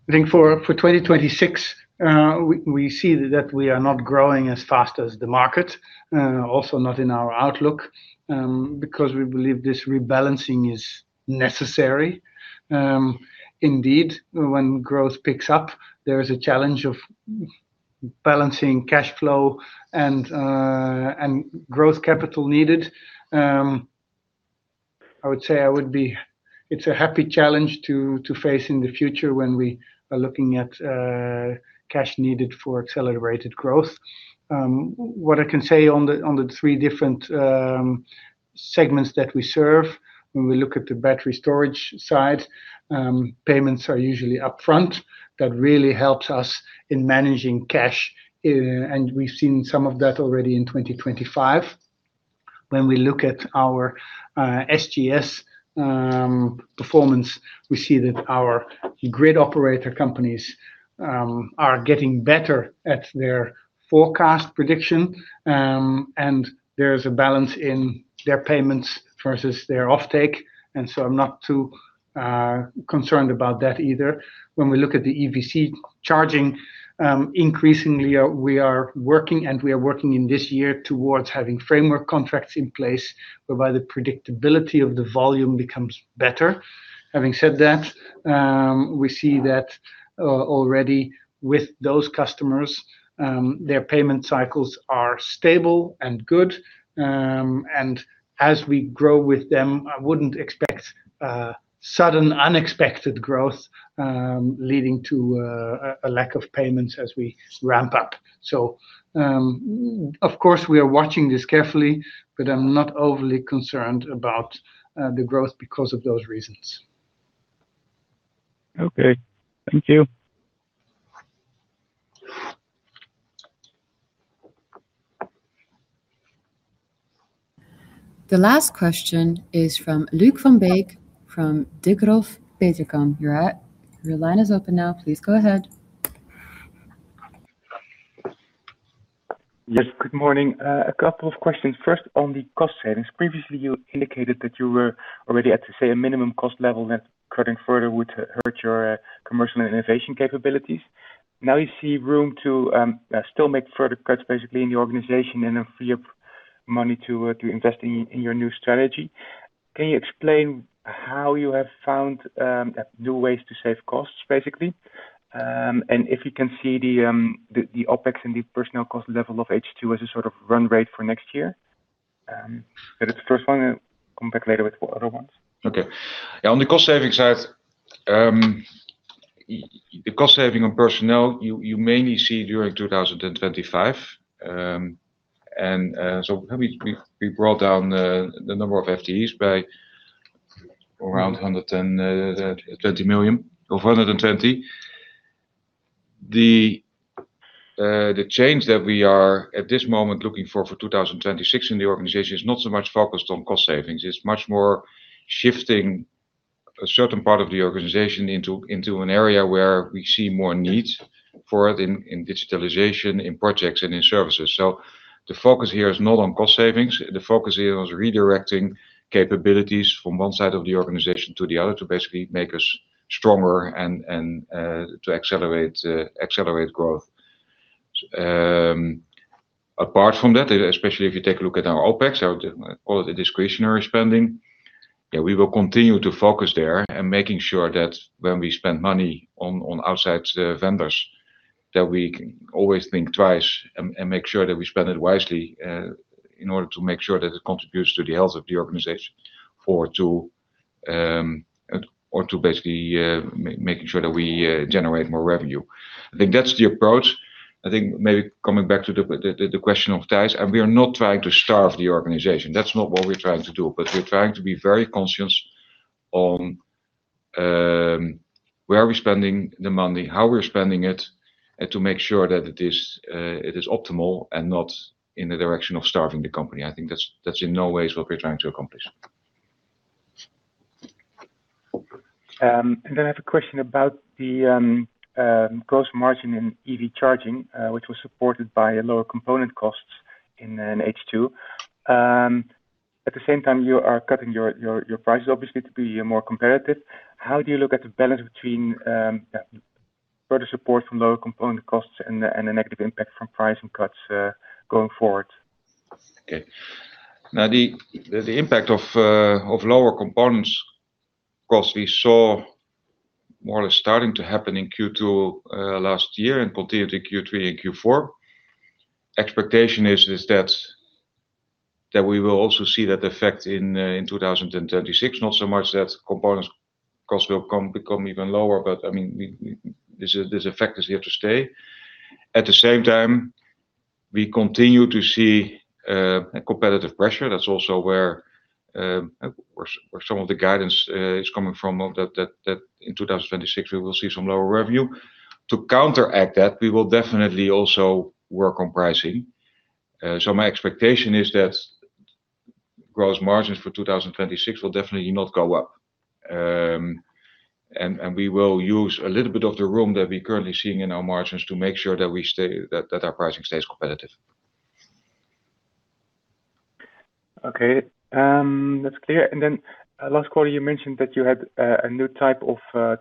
I think for 2026, we see that we are not growing as fast as the market, also not in our outlook, because we believe this rebalancing is necessary. Indeed, when growth picks up, there is a challenge of balancing cash flow and growth capital needed. I would say it's a happy challenge to face in the future when we are looking at cash needed for accelerated growth. What I can say on the three different segments that we serve, when we look at the battery storage side, payments are usually upfront. That really helps us in managing cash. And we've seen some of that already in 2025. When we look at our SGS performance, we see that our grid operator companies are getting better at their forecast prediction. And there is a balance in their payments versus their offtake. And so I'm not too concerned about that either. When we look at the EV Charging, increasingly, we are working and we are working in this year towards having framework contracts in place whereby the predictability of the volume becomes better. Having said that, we see that already with those customers, their payment cycles are stable and good. As we grow with them, I wouldn't expect sudden, unexpected growth leading to a lack of payments as we ramp up. So of course, we are watching this carefully, but I'm not overly concerned about the growth because of those reasons. Okay. Thank you. The last question is from Luuk Van Beek from Degroof Petercam. Your line is open now. Please go ahead. Yes. Good morning. A couple of questions. First, on the cost savings. Previously, you indicated that you were already at, say, a minimum cost level that cutting further would hurt your commercial and innovation capabilities. Now, you see room to still make further cuts, basically, in the organization and then free up money to invest in your new strategy. Can you explain how you have found new ways to save costs, basically, and if you can see the OpEx and the personnel cost level of H2 as a sort of run rate for next year? Is that the first one? And come back later with other ones. Okay. Yeah. On the cost saving side, the cost saving on personnel, you mainly see during 2025. And so we brought down the number of FTEs by around 120 million or 120. The change that we are at this moment looking for for 2026 in the organization is not so much focused on cost savings. It's much more shifting a certain part of the organization into an area where we see more need for it in digitalization, in projects, and in services. So the focus here is not on cost savings. The focus here is on redirecting capabilities from one side of the organization to the other to basically make us stronger and to accelerate growth. Apart from that, especially if you take a look at our OpEx, I would call it discretionary spending. Yeah, we will continue to focus there and making sure that when we spend money on outside vendors, that we always think twice and make sure that we spend it wisely in order to make sure that it contributes to the health of the organization or to basically making sure that we generate more revenue. I think that's the approach. I think maybe coming back to the question of Thijs, we are not trying to starve the organization. That's not what we're trying to do. But we're trying to be very conscious on where we're spending the money, how we're spending it, to make sure that it is optimal and not in the direction of starving the company. I think that's in no way what we're trying to accomplish. Then I have a question about the gross margin in EV Charging, which was supported by lower component costs in H2. At the same time, you are cutting your prices, obviously, to be more competitive. How do you look at the balance between further support from lower component costs and the negative impact from pricing cuts going forward? Okay. Now, the impact of lower component costs we saw more or less starting to happen in Q2 last year and continue to Q3 and Q4. Expectation is that we will also see that effect in 2026, not so much that components costs will become even lower, but I mean, this effect is here to stay. At the same time, we continue to see competitive pressure. That's also where some of the guidance is coming from, that in 2026, we will see some lower revenue. To counteract that, we will definitely also work on pricing. So my expectation is that gross margins for 2026 will definitely not go up. And we will use a little bit of the room that we're currently seeing in our margins to make sure that our pricing stays competitive. Okay. That's clear. And then last quarter, you mentioned that you had a new type of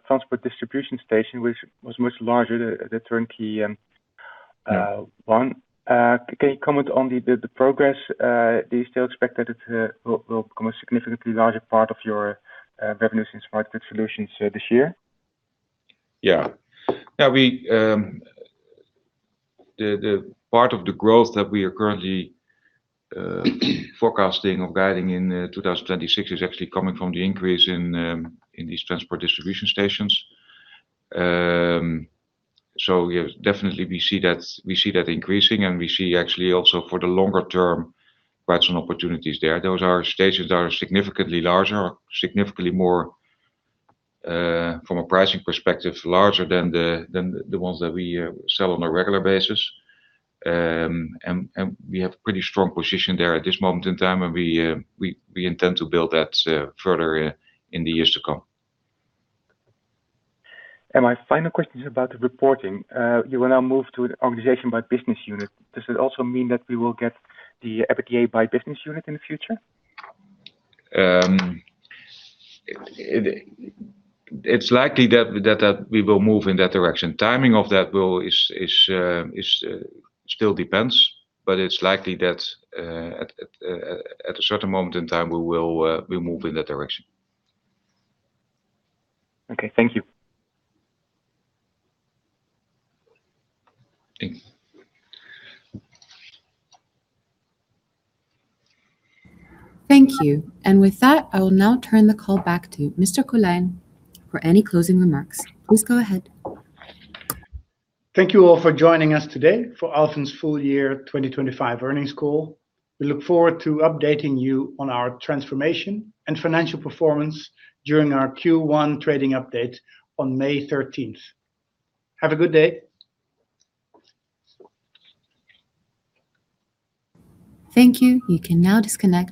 transport distribution station, which was much larger, the Turnkey one. Can you comment on the progress? Do you still expect that it will become a significantly larger part of your revenues in Smart Grid Solutions this year? Yeah. Yeah. The part of the growth that we are currently forecasting or guiding in 2026 is actually coming from the increase in these transport distribution stations. So yes, definitely, we see that increasing. And we see actually also for the longer term, quite some opportunities there. Those stations that are significantly larger, significantly more, from a pricing perspective, larger than the ones that we sell on a regular basis. And we have a pretty strong position there at this moment in time, and we intend to build that further in the years to come. And my final question is about the reporting. You will now move to an organization by business unit. Does it also mean that we will get the EBITDA by business unit in the future? It's likely that we will move in that direction. Timing of that still depends, but it's likely that at a certain moment in time, we will move in that direction. Okay. Thank you. Thank you. And with that, I will now turn the call back to Mr. Colijn for any closing remarks. Please go ahead. Thank you all for joining us today for Alfen's full year 2025 earnings call. We look forward to updating you on our transformation and financial performance during our Q1 trading update on May 13th. Have a good day. Thank you. You can now disconnect.